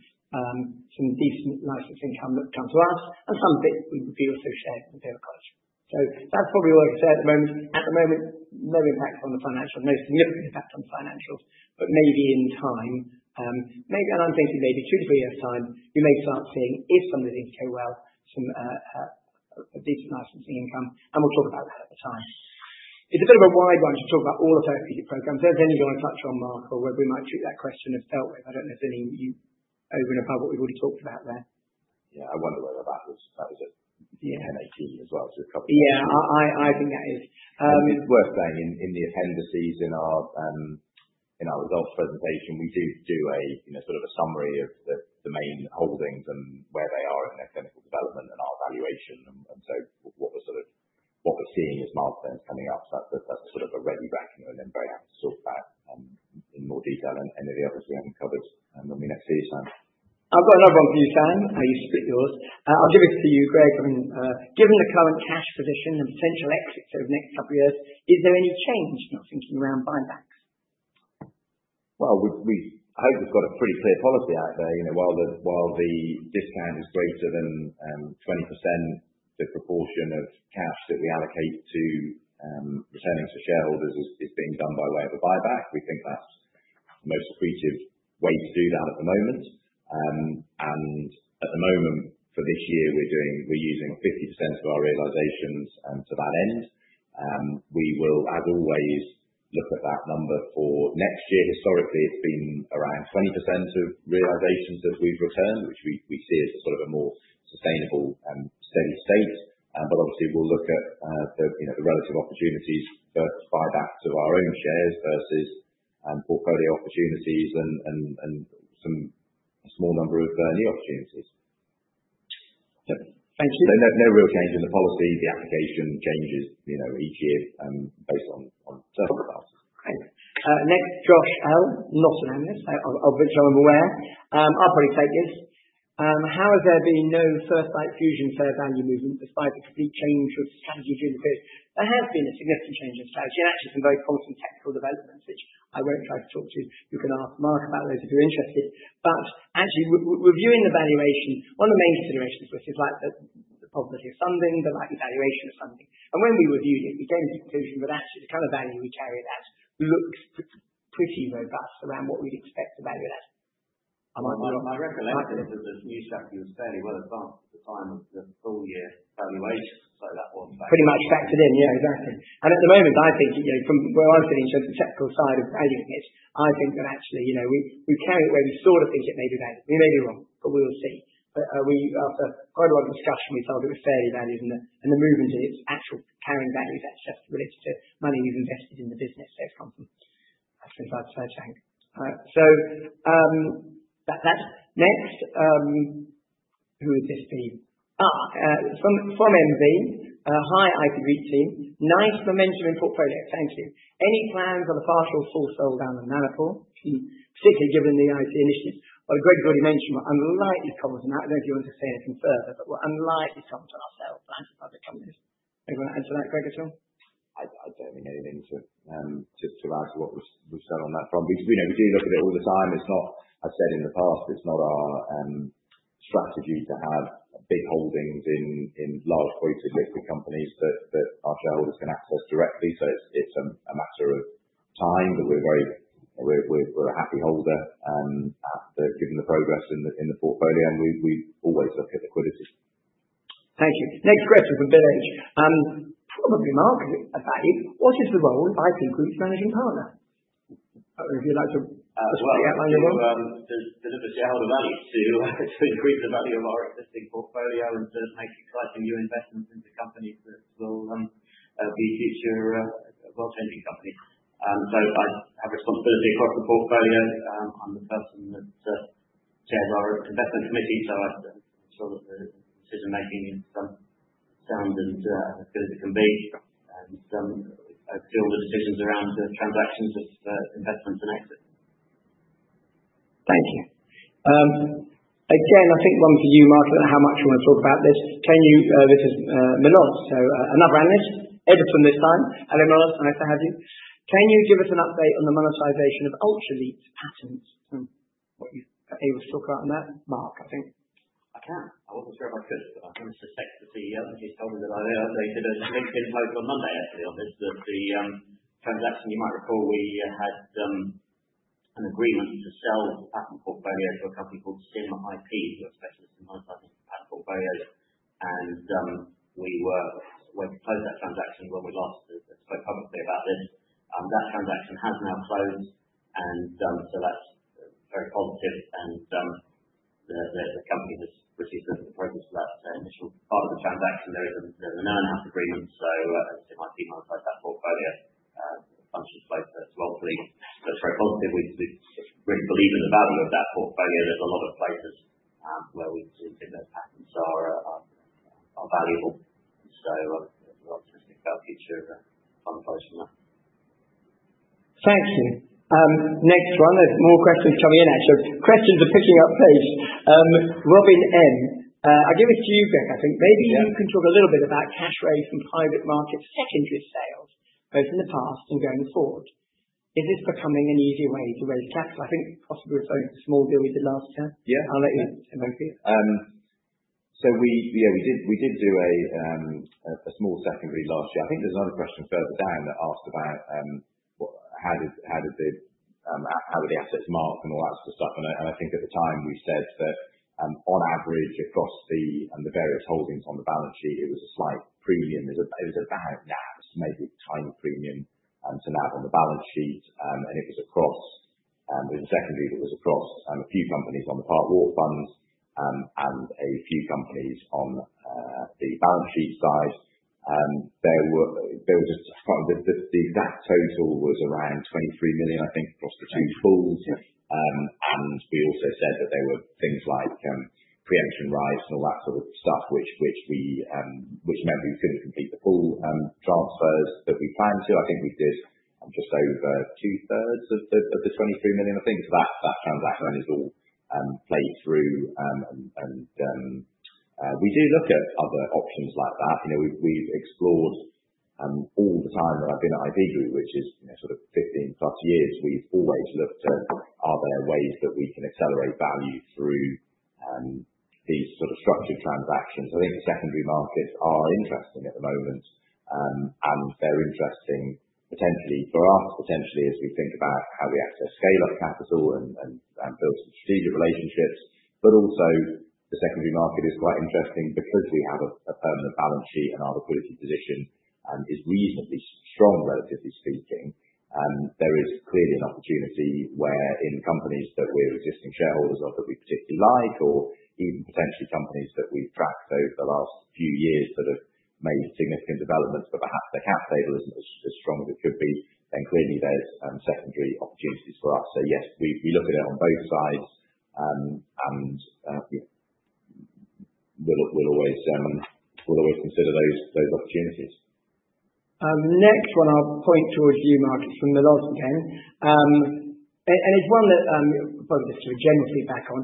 some decent licensing income that would come to us. And some of it would be also shared with Imperial College. So that's probably all I can say at the moment. At the moment, no impact on the financials, no significant impact on the financials. But maybe in time, maybe, and I'm thinking maybe two to three years time, we may start seeing if some of the things go well, some, decent licensing income. And we'll talk about that at the time. It's a bit of a wide one to talk about all the therapeutic programs. Is there any you want to touch on, Mark, or where we might treat that question of belt and braces? I don't know if there's any you over and above what we've already talked about there. Yeah, I wonder whether that was at NAP as well. So it's probably, yeah, I think that is. It's worth saying in the appendices in our results presentation, we do a, you know, sort of a summary of the main holdings and where they are in their clinical development and our evaluation. And so what we're seeing as milestones coming up. So that's a sort of a ready reckoner. And then very happy to talk about in more detail and any of the others we haven't covered. Then we next see you, Sam. I've got another one for you, Sam. I'll let you split yours. I'll give it to you, Greg. I mean, given the current cash position and potential exits over the next couple of years, is there any change in your thinking around buybacks? Well, I hope we've got a pretty clear policy out there. You know, while the discount is greater than 20%, the proportion of cash that we allocate to returning to shareholders is being done by way of a buyback. We think that's the most appropriate way to do that at the moment. And at the moment for this year, we're using 50% of our realizations to that end. We will, as always, look at that number for next year. Historically, it's been around 20% of realizations as we've returned, which we see as a sort of a more sustainable and steady state. But obviously we'll look at the, you know, the relative opportunities versus buybacks of our own shares versus portfolio opportunities and some small number of new opportunities. Yep. Thank you. So no real change in the policy. The application changes, you know, each year, based on circumstances. Great. Next, Josh L., not an analyst. I'll bring someone aware. I'll probably take this. How has there been no First Light Fusion fair value movement despite the complete change of strategy during the period? There has been a significant change in strategy and actually some very promising technical developments, which I won't try to talk to. You can ask Mark about those if you're interested, but actually, reviewing the valuation, one of the main considerations for us is like the probability of funding, the likely valuation of funding, and when we reviewed it, we came to the conclusion that actually the kind of value we carried out looks pretty robust around what we'd expect to value it at. I might be wrong. My recollection is that the news statement was fairly well advanced at the time of the full year valuation, so that was Pretty much factored in. Yeah, exactly, and at the moment, I think, you know, from where I'm sitting, so the technical side of valuing it, I think that actually, you know, we carry it where we sort of think it may be valued. We may be wrong, but we will see. But, after quite a lot of discussion, we felt it was fairly valued and the movement in its actual carrying value is actually related to money we've invested in the business. So it's come from, I think, that's fair to think. So, that's next. Who is this team? From, from IMC, hi IP Group team. Nice momentum in portfolio. Thank you. Any plans on a partial sale down the line, particularly given the IP initiative? Well, Greg's already mentioned what's unlikely to come from that. I don't know if you want to say anything further, but what's unlikely to come from our sales plan for public companies. Anyone want to answer that, Greg at all? I don't think anything to add to what we've said on that front. We know we do look at it all the time. It's not. I've said in the past, it's not our strategy to have big holdings in large quoted listed companies that our shareholders can access directly. So it's a matter of time that we're very happy holder given the progress in the portfolio. And we always look at liquidity. Thank you. Next question from Bill H. Probably Mark is a value. What is the role of IP Group's managing partner? I don't know if you'd like to outline your role. There's a shareholder value to increase the value of our existing portfolio and to make exciting new investments into companies that will be future world-changing companies. So I have responsibility across the portfolio. I'm the person that chairs our investment committee. I'm sure that the decision making is sound and as good as it can be. And I steer the decisions around transactions, investments and exits. Thank you again. I think one for you, Mark, about how much you want to talk about this. Can you? This is Milos. So another analyst, Edison this time. Hello, Milos. Nice to have you. Can you give us an update on the monetization of Ultraleap patents? What are you able to talk about on that, Mark? I think I can. I wasn't sure if I could, but I can speak to the CEO, and he's told me that they did a LinkedIn post on Monday actually on this, that the transaction you might recall we had an agreement to sell the patent portfolio to a company called Sim IP, who are specialists in monetizing patent portfolios. We had to close that transaction when we last spoke publicly about this. That transaction has now closed. So that's very positive. The company has received the approval for that initial part of the transaction. There is an earn-out agreement. So IP monetized that portfolio quite smoothly. So it's very positive. We really believe in the value of that portfolio. There's a lot of places where we think those patents are valuable. So we're optimistic about future fund flows from that. Thank you. Next one. There's more questions coming in actually. Questions are picking up pace. Robin M., I'll give it to you, Greg, I think. Maybe you can talk a little bit about cash raise from private market secondary sales, both in the past and going forward. Is this becoming an easy way to raise capital? I think possibly with a small deal we did last year. Yeah. I'll let you, Mark. So we did a small secondary last year. I think there's another question further down that asks about what how were the assets marked and all that sort of stuff? And I think at the time we said that, on average across the various holdings on the balance sheet, it was a slight premium. It was about NAV, maybe a tiny premium, to NAV on the balance sheet. And it was across a few companies on the Parkwalk fund, and a few companies on the balance sheet side. The exact total was around 23 million, I think, across the two pools. And we also said that there were things like preemption rights and all that sort of stuff, which meant we couldn't complete the pool transfers that we planned to. I think we did just over two-thirds of the 23 million, I think. So that transaction is all played through, and we do look at other options like that. You know, we've explored, all the time that I've been at IP Group, which is, you know, sort of 15 plus years, we've always looked at, are there ways that we can accelerate value through these sort of structured transactions? I think the secondary markets are interesting at the moment, and they're interesting potentially for us, potentially as we think about how we access scale-up capital and build some strategic relationships. But also the secondary market is quite interesting because we have a permanent balance sheet and our liquidity position is reasonably strong, relatively speaking. There is clearly an opportunity wherein companies that we're existing shareholders of that we particularly like, or even potentially companies that we've tracked over the last few years that have made significant developments, but perhaps their cap table isn't as strong as it could be, then clearly there's secondary opportunities for us. So yes, we look at it on both sides, and, you know, we'll always consider those opportunities. Next one, I'll point towards you, Mark, is from Milos again. And it's one that, probably this is a general feedback on,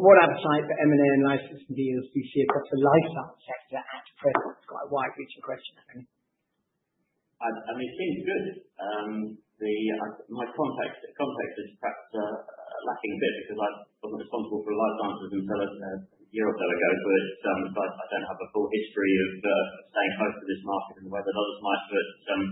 what appetite for M&A and licensing deals do you see across the lifestyle sector at present? It's quite a wide reaching question there. I mean, it seems good. My context is perhaps lacking a bit because I wasn't responsible for lifestyle until a year or so ago. But I don't have a full history of staying close to this market in the way that others might. But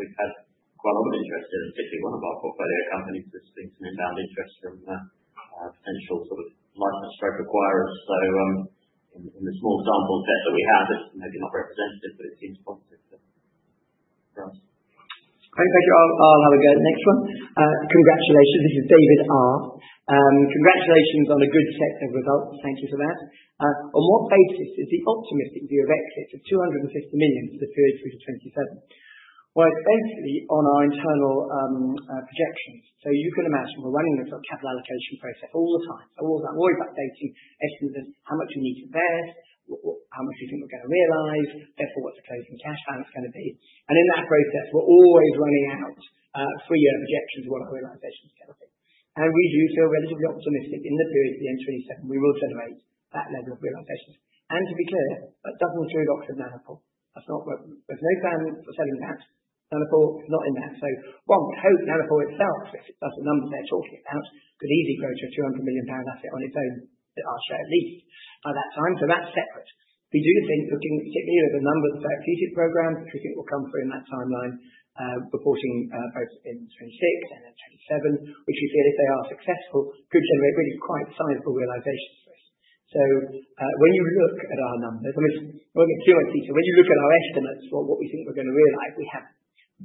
we've had quite a lot of interest in particularly one of our portfolio companies that's been some inbound interest from potential sort of license stroke acquirers. So in the small sample set that we have, it's maybe not representative, but it seems positive for us. Great. Thank you all. I'll have a go at the next one. Congratulations. This is David R. Congratulations on a good set of results. Thank you for that. On what basis is the optimistic view of exit of 250 million for the period through to 2027? Well, it's basically on our internal projections. So you can imagine we're running this sort of capital allocation process all the time. So we're always updating estimates of how much we need to invest, how much we think we're going to realize, therefore what's the closing cash balance going to be. And in that process, we're always running our three-year projections of what our realizations are going to be. And we do feel relatively optimistic in the period to the end of 2027, we will generate that level of realizations. And to be clear, that doesn't include our portfolio. That's not what. There's no plan for selling that portfolio, not in that. So, one, we hope maniple itself, if it does the numbers they're talking about, could easily grow to a 200 million pound asset on its own, our share at least by that time. So that's separate. We do think looking particularly at the number of the therapeutic programs, which we think will come through in that timeline, reporting, both in 2026 and in 2027, which we feel if they are successful could generate really quite sizable realizations for us. So, when you look at our numbers, I mean, we'll get too much detail. When you look at our estimates for what we think we're going to realize, we have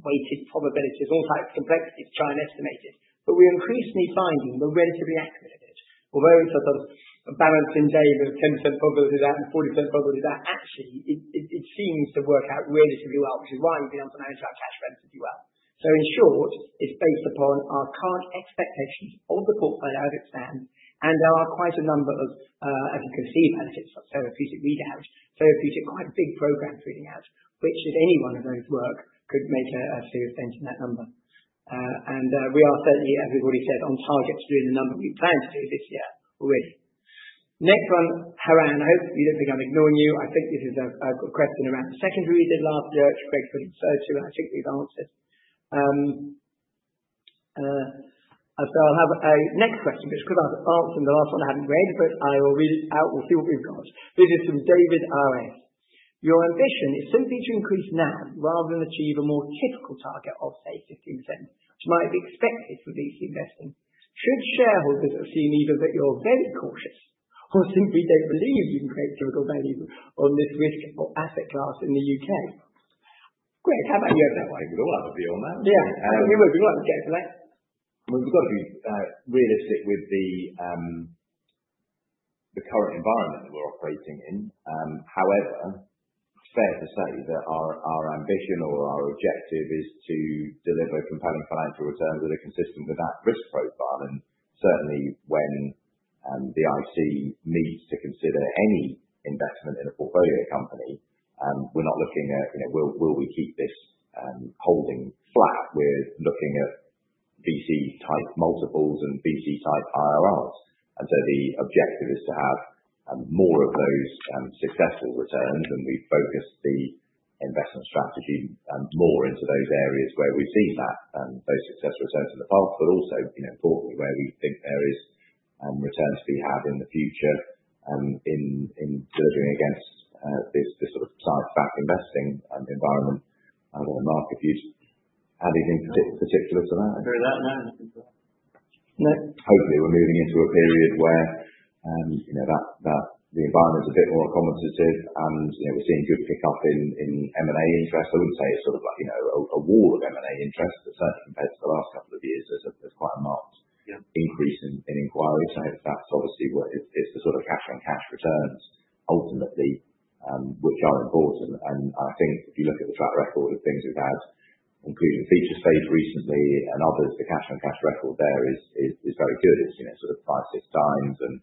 weighted probabilities, all types of complexities to try and estimate it. But we're increasingly finding we're relatively accurate at it. Although it's a sort of a balancing day with 10% probability of that and 40% probability of that, actually it seems to work out relatively well, which is why we've been able to manage our cash benefit well. So in short, it's based upon our current expectations of the portfolio as it stands. And there are quite a number of, as you can see, benefits like therapeutic readout, therapeutic, quite big programs reading out, which if any one of those work could make a serious dent in that number. We are certainly, as we've already said, on target to doing the number we plan to do this year already. Next one, Haran, I hope you don't think I'm ignoring you. I think this is a question around the secondary we did last year, which Greg's put in too, and I think we've answered. So I'll have a next question, which could answer the last one I hadn't read, but I will read it out. We'll see what we've got. This is from David R.S. Your ambition is simply to increase NAV rather than achieve a more typical target of say 15%, which might be expected for VC investing. Should shareholders assume either that you're very cautious or simply don't believe you can create typical value on this risk or asset class in the UK? Greg, how about you open that one? I think we'd all have a view on that. Yeah. It would be great to get into that. We've got to be realistic with the current environment that we're operating in. However, it's fair to say that our ambition or our objective is to deliver compelling financial returns that are consistent with that risk profile. Certainly when the IC needs to consider any investment in a portfolio company, we're not looking at, you know, will we keep this holding flat? We're looking at VC type multiples and VC type IRRs. So the objective is to have more of those successful returns. We focus the investment strategy more into those areas where we've seen those successful returns in the past, but also, you know, importantly where we think there is return to be had in the future, in delivering against this sort of side stack investing environment that the market views. And is in particular to that? I hear that. No. No. Hopefully we're moving into a period where, you know, the environment is a bit more accommodative and, you know, we're seeing good pickup in M&A interest. I wouldn't say it's sort of like, you know, a wall of M&A interest, but certainly compared to the last couple of years, there's quite a marked increase in inquiries. I hope that's obviously what it's the sort of cash on cash returns ultimately, which are important. I think if you look at the track record of things we've had, including Featurespace recently and others, the cash on cash record there is very good. It's, you know, sort of five, six times and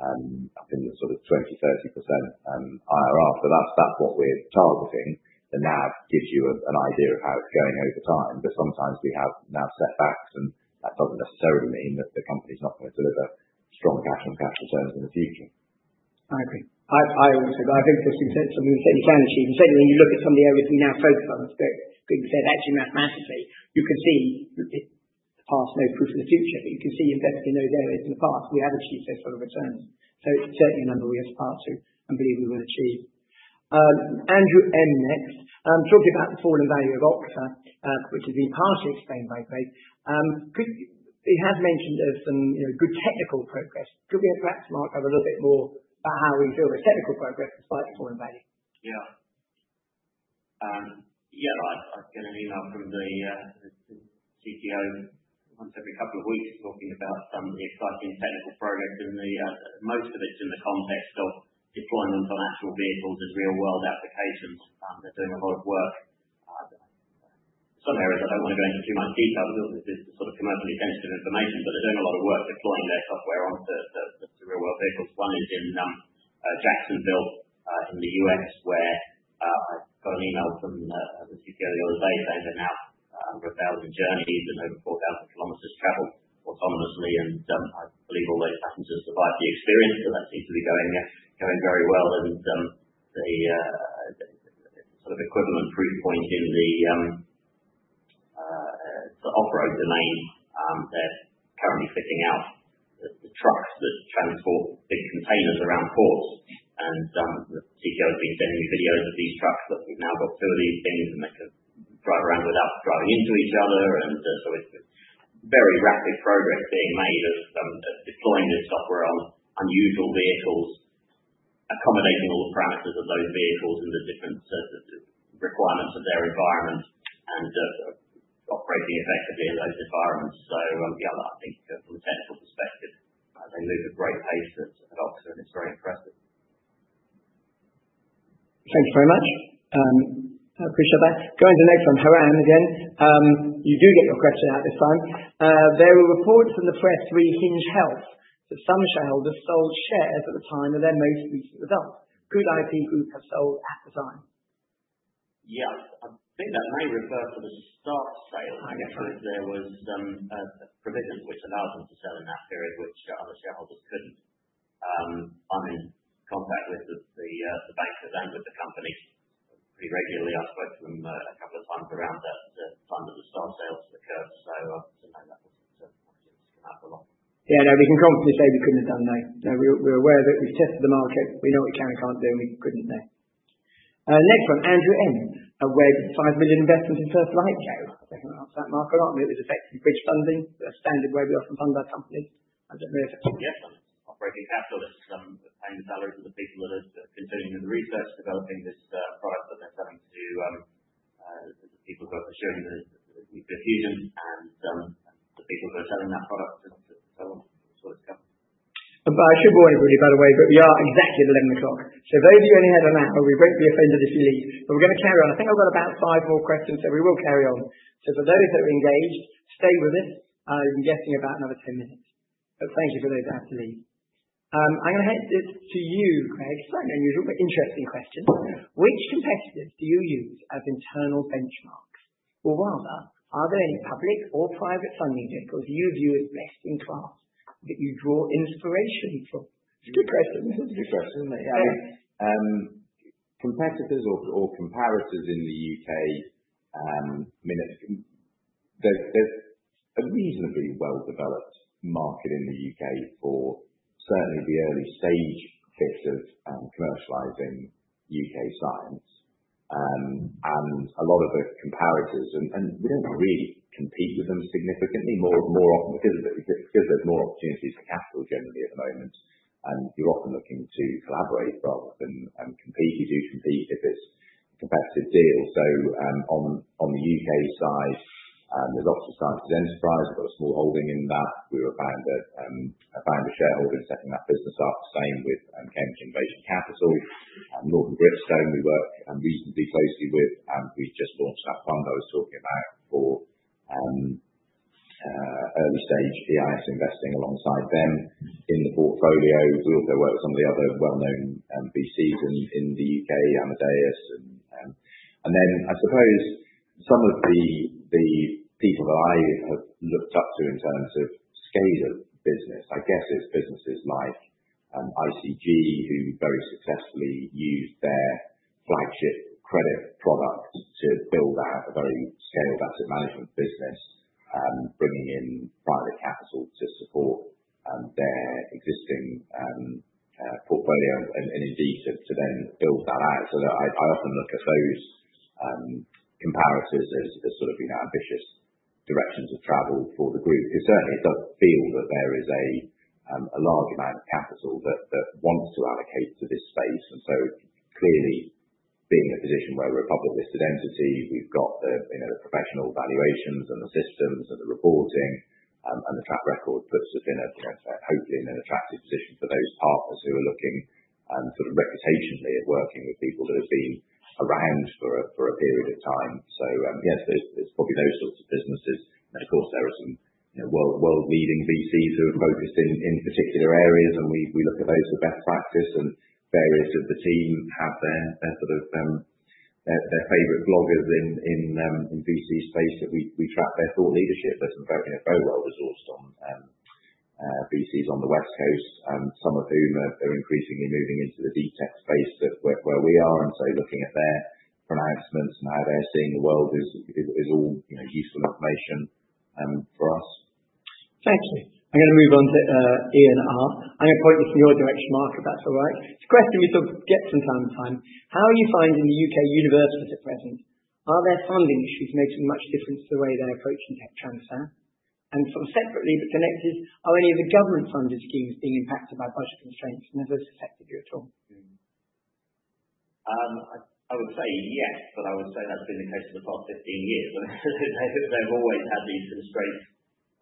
up in the sort of 20-30% IRR. So that's what we're targeting. The NAV gives you an idea of how it's going over time, but sometimes we have NAV setbacks and that doesn't necessarily mean that the company's not going to deliver strong cash on cash returns in the future. I agree. I also think just in terms of the certainty plan achievement, certainly when you look at some of the areas we now focus on, as Greg said, actually mathematically, you can see the past, no proof of the future, but you can see investing in those areas in the past, we have achieved those sort of returns. So it's certainly a number we have to aspire to and believe we will achieve. Andrew M next, talking about the fall in value of Oxford, which has been partially explained by Greg, as he has mentioned some, you know, good technical progress. Could we perhaps, Mark, have a little bit more about how we feel there's technical progress despite the fall in value? Yeah. Yeah, I've got an email from the CTO once every couple of weeks talking about the exciting technical progress. Most of it's in the context of deployment on actual vehicles as real-world applications. They're doing a lot of work. Some areas I don't want to go into too much detail because it's sort of commercially sensitive information, but they're doing a lot of work deploying their software onto the real-world vehicles. One is in Jacksonville, in the U.S., where I got an email from the CPO the other day saying they're now over a thousand journeys and over 4,000 kilometers traveled autonomously. I believe all those passengers survived the experience, but that seems to be going very well. The sort of equivalent proof point in the off-road domain, they're currently fitting out the trucks that transport big containers around ports. And, the CPO has been sending me videos of these trucks that we've now got two of these things and they can drive around without driving into each other. And, so it's very rapid progress being made of deploying this software on unusual vehicles, accommodating all the parameters of those vehicles and the different requirements of their environment and operating effectively in those environments. So, yeah, I think from a technical perspective, they move at great pace at Oxford and it's very impressive. Thank you very much. I appreciate that. Going to the next one, Haran again. You do get your question out this time. There were reports in the press regarding Hinge Health that some shareholders sold shares at the time of their most recent results. Could IP Group have sold at the time? Yeah, I think that may refer to the tender sale. I guess there was a provision which allowed them to sell in that period, which other shareholders couldn't. I'm in contact with the bank that ran with the company pretty regularly. I spoke to them a couple of times around that time that the start sales occurred. So no, that wasn't obviously come out for a lot. Yeah, no, we can confidently say we couldn't have done no. No, we're aware of it. We've tested the market. We know what we can and can't do and we couldn't have done. Next one, Andrew: aGBP 5 million investment in First Light. Yeah, I think I answered that, Mark, or not? It was effectively bridge funding, a standard way we often fund our companies. I don't know if. Yes, operating capital that's paying the salaries of the people that are contributing to the research, developing this product that they're selling to the people who are assuming the fusion and the people who are selling that product. So on. That's what it's come to. But I should warn everybody, by the way, but we are exactly at 11 o'clock. So those of you only had an hour, we won't be offended if you leave, but we're going to carry on. I think I've got about five more questions, so we will carry on. So for those that are engaged, stay with us. You've been guessing about another 10 minutes. But thank you for those that have to leave. I'm going to head to you, Greg. Slightly unusual, but interesting question. Which competitors do you use as internal benchmarks? Or rather, are there any public or private funding vehicles you view as best in class that you draw inspiration from? It's a good question. It's a good question. Yeah. Competitors or comparators in the UK, I mean, there's a reasonably well-developed market in the UK for certainly the early stage bits of commercializing UK science. And a lot of the comparators, we don't really compete with them significantly more often because there's more opportunities for capital generally at the moment. And you're often looking to collaborate rather than compete. You do compete if it's a competitive deal. So, on the UK side, there's Oxford Science Enterprises. We've got a small holding in that. We were a founder shareholder in setting that business up. Same with Cambridge Innovation Capital. Northern Gritstone, we work reasonably closely with. We just launched that fund I was talking about for early stage EIS investing alongside them in the portfolio. We also work with some of the other well-known VCs in the UK, Amadeus and, and then I suppose some of the people that I have looked up to in terms of scale of business. I guess it's businesses like ICG, who very successfully used their flagship credit product to build out a very scaled asset management business, bringing in private capital to support their existing portfolio and indeed to then build that out. So that I often look at those comparators as sort of, you know, ambitious directions of travel for the group because certainly it does feel that there is a large amount of capital that wants to allocate to this space. And so clearly being in a position where we're a public listed entity, we've got the, you know, the professional valuations and the systems and the reporting, and the track record puts us in a, you know, hopefully in an attractive position for those partners who are looking, sort of reputationally at working with people that have been around for a period of time. So, yeah, it's, it's probably those sorts of businesses. And of course there are some, you know, world leading VCs who are focused in particular areas and we look at those as best practice and various of the team have their sort of their favorite bloggers in the VC space that we track their thought leadership. There's some very, you know, very well resourced ones, VCs on the West Coast, some of whom are increasingly moving into the deep tech space where we are. And so looking at their pronouncements and how they're seeing the world is all, you know, useful information for us. Thank you. I'm going to move on to, Ian R. I'm going to point this in your direction, Mark, if that's all right. It's a question we sort of get from time to time. How are you finding the U.K. universities at present? Are their funding issues making much difference to the way they're approaching tech transfer? And sort of separately but connected, are any of the government funded schemes being impacted by budget constraints? And has this affected you at all? I would say yes, but I would say that's been the case for the past 15 years. They've always had these constraints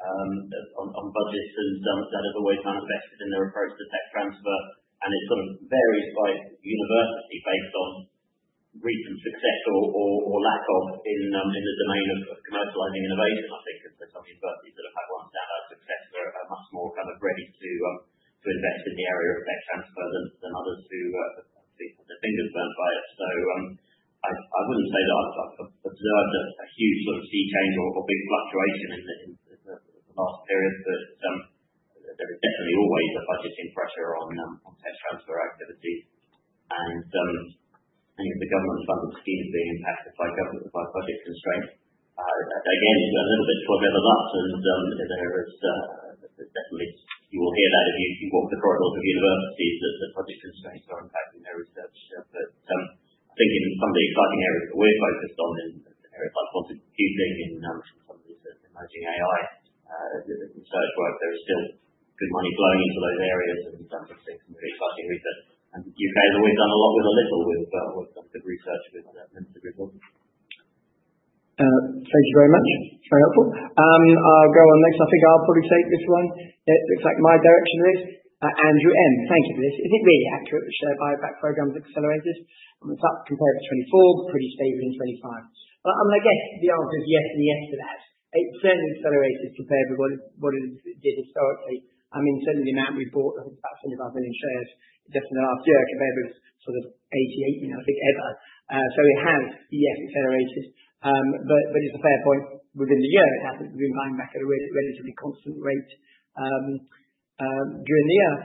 on budgets and that that have always manifested in their approach to tech transfer. It sort of varies by university based on recent success or lack of in the domain of commercializing innovation. I think there's some universities that have had one standout success that are much more kind of ready to invest in the area of tech transfer than others who have had their fingers burnt by it. I wouldn't say that I've observed a huge sort of sea change or big fluctuation in the last period, but there is definitely always a budgeting pressure on tech transfer activities. I think the government funded schemes being impacted by government, by budget constraints. Again, a little bit to arrive at last and, you know, there is, there's definitely you will hear that if you walk the corridors of universities that budget constraints are impacting their research. But I think in some of the exciting areas that we're focused on in areas like quantum computing and some of these emerging AI research work, there is still good money flowing into those areas and we've seen some very exciting research. The UK has always done a lot with a little. We've always done good research with limited resources. Thank you very much. It's very helpful. I'll go on next. I think I'll probably take this one. It looks like my direction is, Andrew M. Thank you for this. Is it really accurate that share buyback programs accelerated? I mean, it's up compared to 2024, but pretty stable in 2025. Well, I mean, I guess the answer is yes and yes to that. It certainly accelerated compared with what it did historically. I mean, certainly the amount we bought, I think it's about 25 million shares just in the last year compared with sort of 88 million, I think ever. So it has, yes, accelerated. But it's a fair point. Within the year, it hasn't been buying back at a really relatively constant rate during the year.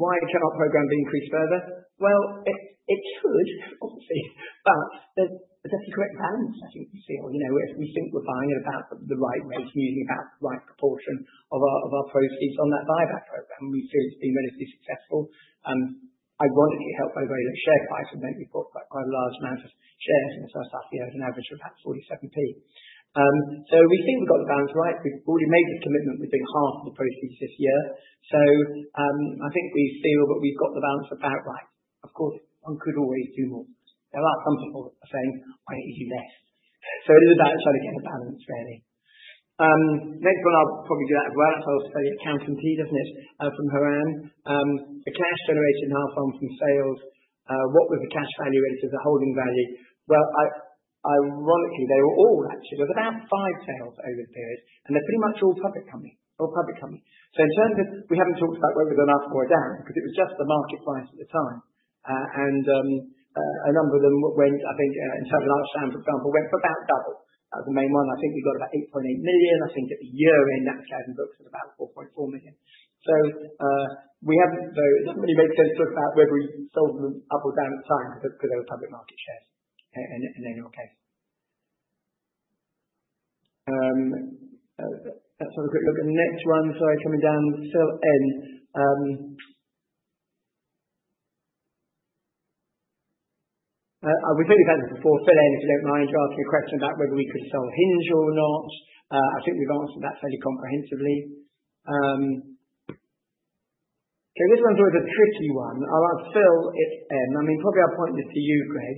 Why can our program be increased further? Well, it could obviously, but there's actually correct balance. I think we see, you know, we think we're buying at about the right rate and using about the right proportion of our proceeds on that buyback program. We see it's been relatively successful. Ironically helped by very low share price and then we bought quite a large amount of shares in the first half year at an average of about 0.47. So we think we've got the balance right. We've already made the commitment. We've been half of the proceeds this year. So, I think we feel that we've got the balance about right. Of course, one could always do more. There are some people that are saying, "Why don't you do less?" So it is about trying to get a balance fairly. Next one, I'll probably do that as well. That's also fairly accountancy, doesn't it? From Haran. The cash generated in H1 from sales. What was the cash value relative to holding value? Well, ironically, they were all actually. There was about five sales over the period and they're pretty much all public company. In terms of, we haven't talked about whether they're up or down because it was just the market price at the time, and a number of them went, I think, in terms of like Shan, for example, went for about double. That was the main one. I think we got about 8.8 million. I think at the year-end that was closing books at about 4.4 million. We haven't though, it doesn't really make sense to talk about whether we sold them up or down at times because they were public market shares in any case. That's another quick look at the next one. Sorry, coming down. Phil N. We've heard about this before. Phil N., if you don't mind, you're asking a question about whether we could sell Hinge or not. I think we've answered that fairly comprehensively. This one's always a tricky one. I'll ask Phil if, and I mean, probably I'll point this to you, Greg.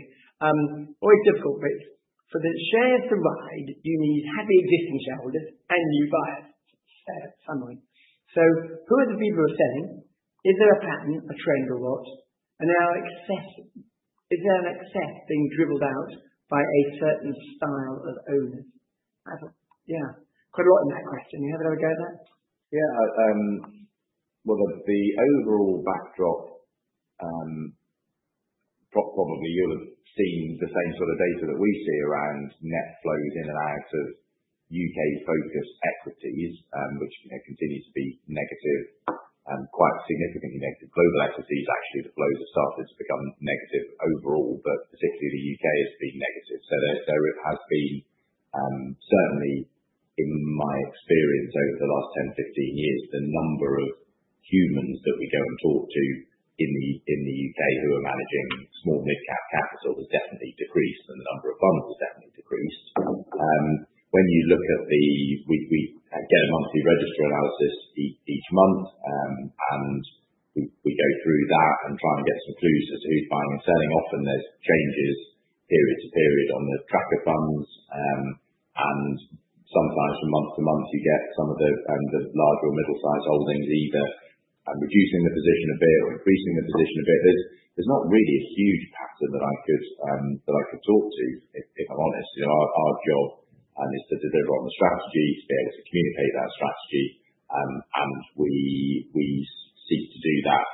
Always difficult, but for the shares to ride, you need happy existing shareholders and new buyers at some point. So who are the people who are selling? Is there a pattern, a trend or what? And are excesses, is there an excess being dribbled out by a certain style of owners? I thought, yeah, quite a lot in that question. You have another go at that? Yeah. Well, the overall backdrop, probably you'll have seen the same sort of data that we see around net flows in and out of U.K.-focused equities, which, you know, continue to be negative, quite significantly negative. Global equities. Actually, the flows have started to become negative overall, but particularly the U.K. has been negative. There has been, certainly in my experience over the last 10, 15 years, the number of humans that we go and talk to in the UK who are managing small mid-cap capital has definitely decreased and the number of funds has definitely decreased. We get a monthly register analysis each month, and we go through that and try and get some clues as to who's buying and selling. Often there's changes period to period on the tracker funds, and sometimes from month to month you get some of the larger or middle sized holdings either reducing the position a bit or increasing the position a bit. There's not really a huge pattern that I could talk to if I'm honest, you know, our job is to deliver on the strategy, to be able to communicate that strategy, and we seek to do that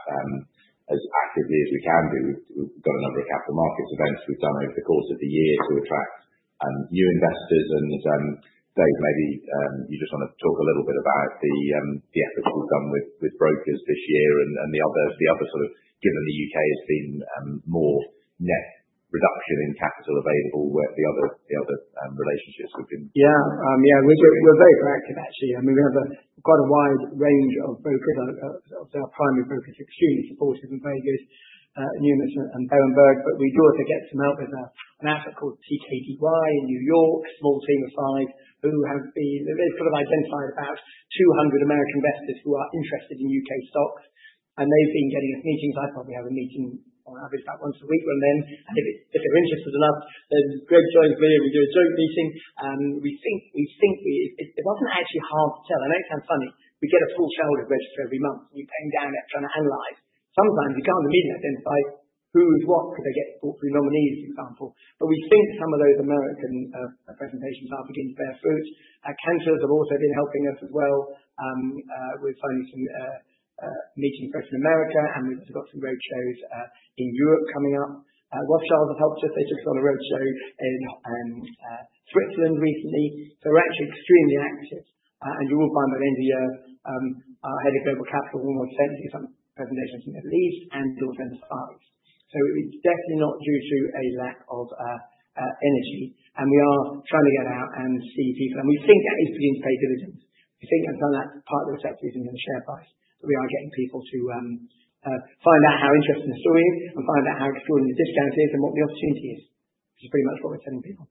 as actively as we can do. We've got a number of capital markets events we've done over the course of the year to attract new investors, and Dave, maybe you just want to talk a little bit about the efforts we've done with brokers this year and the other sort of, given the UK has been more net reduction in capital available, where the other relationships have been. Yeah. Yeah, we're very proactive actually. I mean, we have quite a wide range of brokers, our primary brokers extremely supportive and very good, Numis and Berenberg. But we do also get some help with an asset called TKDY in New York, a small team of five who have been. They've sort of identified about 200 American investors who are interested in UK stocks and they've been getting us meetings. I probably have a meeting on average about once a week with them. And if they're interested enough, then Greg joins me and we do a joint meeting. We think it wasn't actually hard to tell. I know it sounds funny. We get a full shareholder register every month and you're paging down it, trying to analyze. Sometimes you can't immediately identify who is what because they get brought through nominees, for example. But we think some of those American presentations are beginning to bear fruit. Canaccord Genuity has also been helping us as well. We've finally had some meetings both in America, and we've also got some road shows in Europe coming up. Waschal has helped us. They took us on a road show in Switzerland recently. We're actually extremely active, and you will find by the end of the year our head of global capital will want to send you some presentations from the Middle East and also Asia. It's definitely not due to a lack of energy, and we are trying to get out and see people, and we think that is beginning to pay dividends. We think, and some of that's part of the recovery in the share price, but we are getting people to find out how interesting the story is and find out how extraordinary the discount is and what the opportunity is, which is pretty much what we're telling people.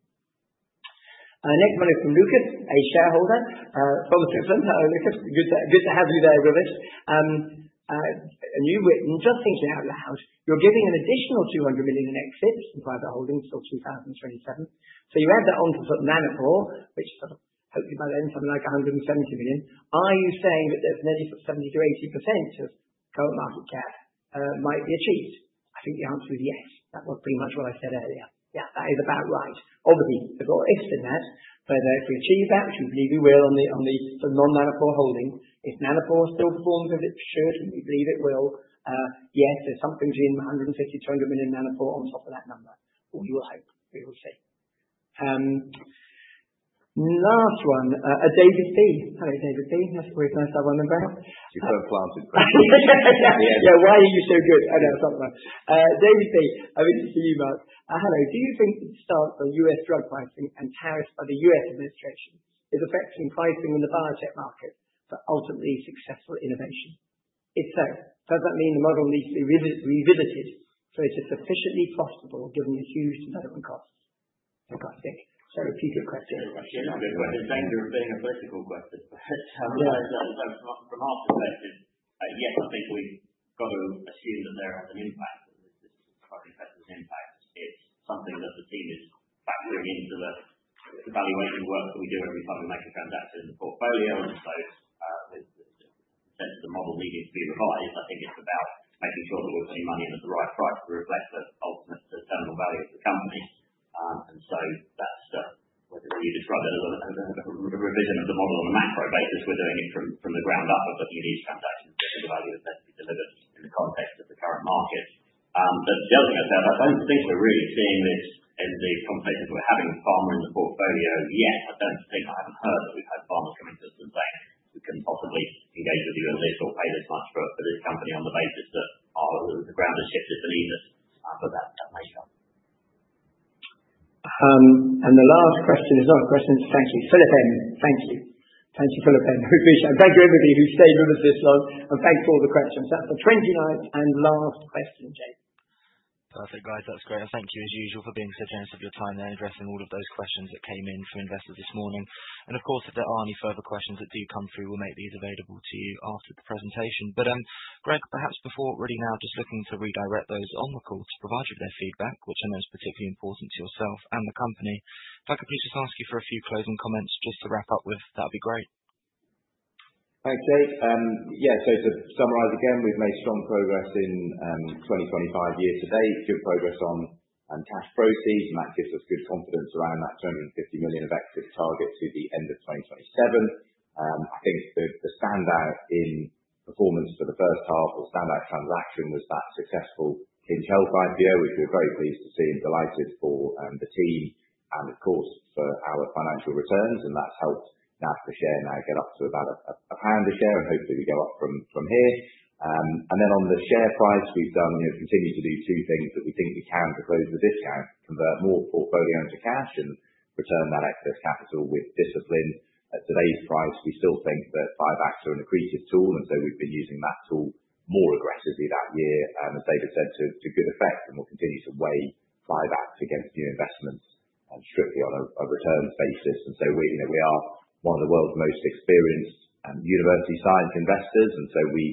Next one is from Lucas, a shareholder, from Switzerland. Hello, Lucas. Good to have you there, Rivers, and you've written, just thinking out loud, you're giving an additional 200 million in exits in private holdings till 2027. So you add that onto sort of maniple, which sort of hopefully by then something like 170 million. Are you saying that there's nearly sort of 70%-80% of current market cap might be achieved? I think the answer is yes. That was pretty much what I said earlier. Yeah, that is about right. Obviously, there's a lot of ifs in that, but if we achieve that, which we believe we will on the sort of non-maniple holding, if maniple still performs as it should, we believe it will. Yes, there's something between GBP 150-£200 million maniple on top of that number. We will hope, we will see. Last one, Dave B. Hello, Dave B. That's always nice to have one number. You're so planted. Yeah. Why are you so good? I know something. Dave B, I'm interested in you, Mark. Hello. Do you think that the stance on U.S. drug pricing and tariffs by the U.S. administration is affecting pricing in the biotech market for ultimately successful innovation? If so, does that mean the model needs to be revisited so it's sufficiently profitable given the huge development costs? Fantastic. So repeated question. Very question. But it's dangerous being a political question. But from our perspective, yes, I think we've got to assume that there has an impact. This is a highly sensitive impact. It's something that the team is factoring into the evaluation work that we do every time we make a transaction in the portfolio. And so, with the sense of the model needing to be revised, I think it's about making sure that we're putting money in at the right price to reflect the ultimate discernible value of the company. And so that's whether you describe it as a revision of the model on a macro basis. We're doing it from the ground up of looking at each transaction to get the value that's meant to be delivered in the context of the current market. But the other thing I'd say about that, I don't think we're really seeing this in the conversations we're having with firms in the portfolio. Yet, I don't think. I haven't heard that we've had farmers coming to us and saying, "We couldn't possibly engage with you on this or pay this much for, for this company on the basis that our ground has shifted beneath it." But that, that may come. And the last question is not a question. Thank you, Philip M. Thank you. Thank you, Philip M. We appreciate it. And thank you everybody who stayed with us this long. And thanks for all the questions. That's the 29th and last question, James. Perfect, guys. That's great. And thank you as usual for being so generous of your time there and addressing all of those questions that came in from investors this morning. And of course, if there are any further questions that do come through, we'll make these available to you after the presentation. But, Greg, perhaps before really now, just looking to redirect those on the call to provide you with their feedback, which I know is particularly important to yourself and the company. If I could please just ask you for a few closing comments just to wrap up with, that'd be great. Thanks, Dave. Yeah. So to summarize again, we've made strong progress in 2025 year to date, good progress on cash proceeds, and that gives us good confidence around that 250 million of exits target to the end of 2027. I think the standout in performance for the first half or standout transaction was that successful Hinge Health IPO, which we're very pleased to see and delighted for the team and of course for our financial returns. And that's helped NAV per share now get up to about GBP 1 a share and hopefully we go up from here. And then on the share price, we've done, you know, continue to do two things that we think we can to close the discount, convert more portfolio into cash and return that excess capital with discipline. At today's price, we still think that buybacks are an accretive tool. And so we've been using that tool more aggressively that year, as David said, to good effect. And we'll continue to weigh buybacks against new investments, strictly on a returns basis. And so we, you know, we are one of the world's most experienced university science investors. And so we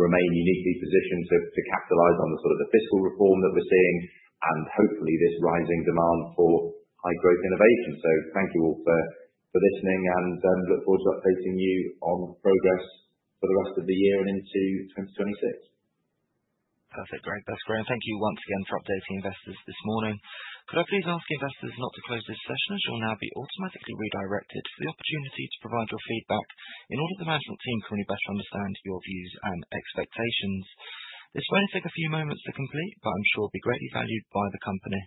remain uniquely positioned to capitalize on the sort of the fiscal reform that we're seeing and hopefully this rising demand for high growth innovation. So thank you all for listening and look forward to updating you on progress for the rest of the year and into 2026. Perfect. Great. That's great. And thank you once again for updating investors this morning. Could I please ask investors not to close this session as you'll now be automatically redirected for the opportunity to provide your feedback in order the management team can really better understand your views and expectations. This won't take a few moments to complete, but I'm sure it'll be greatly valued by the company.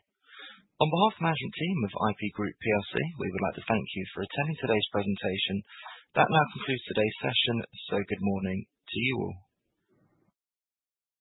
On behalf of the management team of IP Group PLC, we would like to thank you for attending today's presentation. That now concludes today's session. So good morning to you all.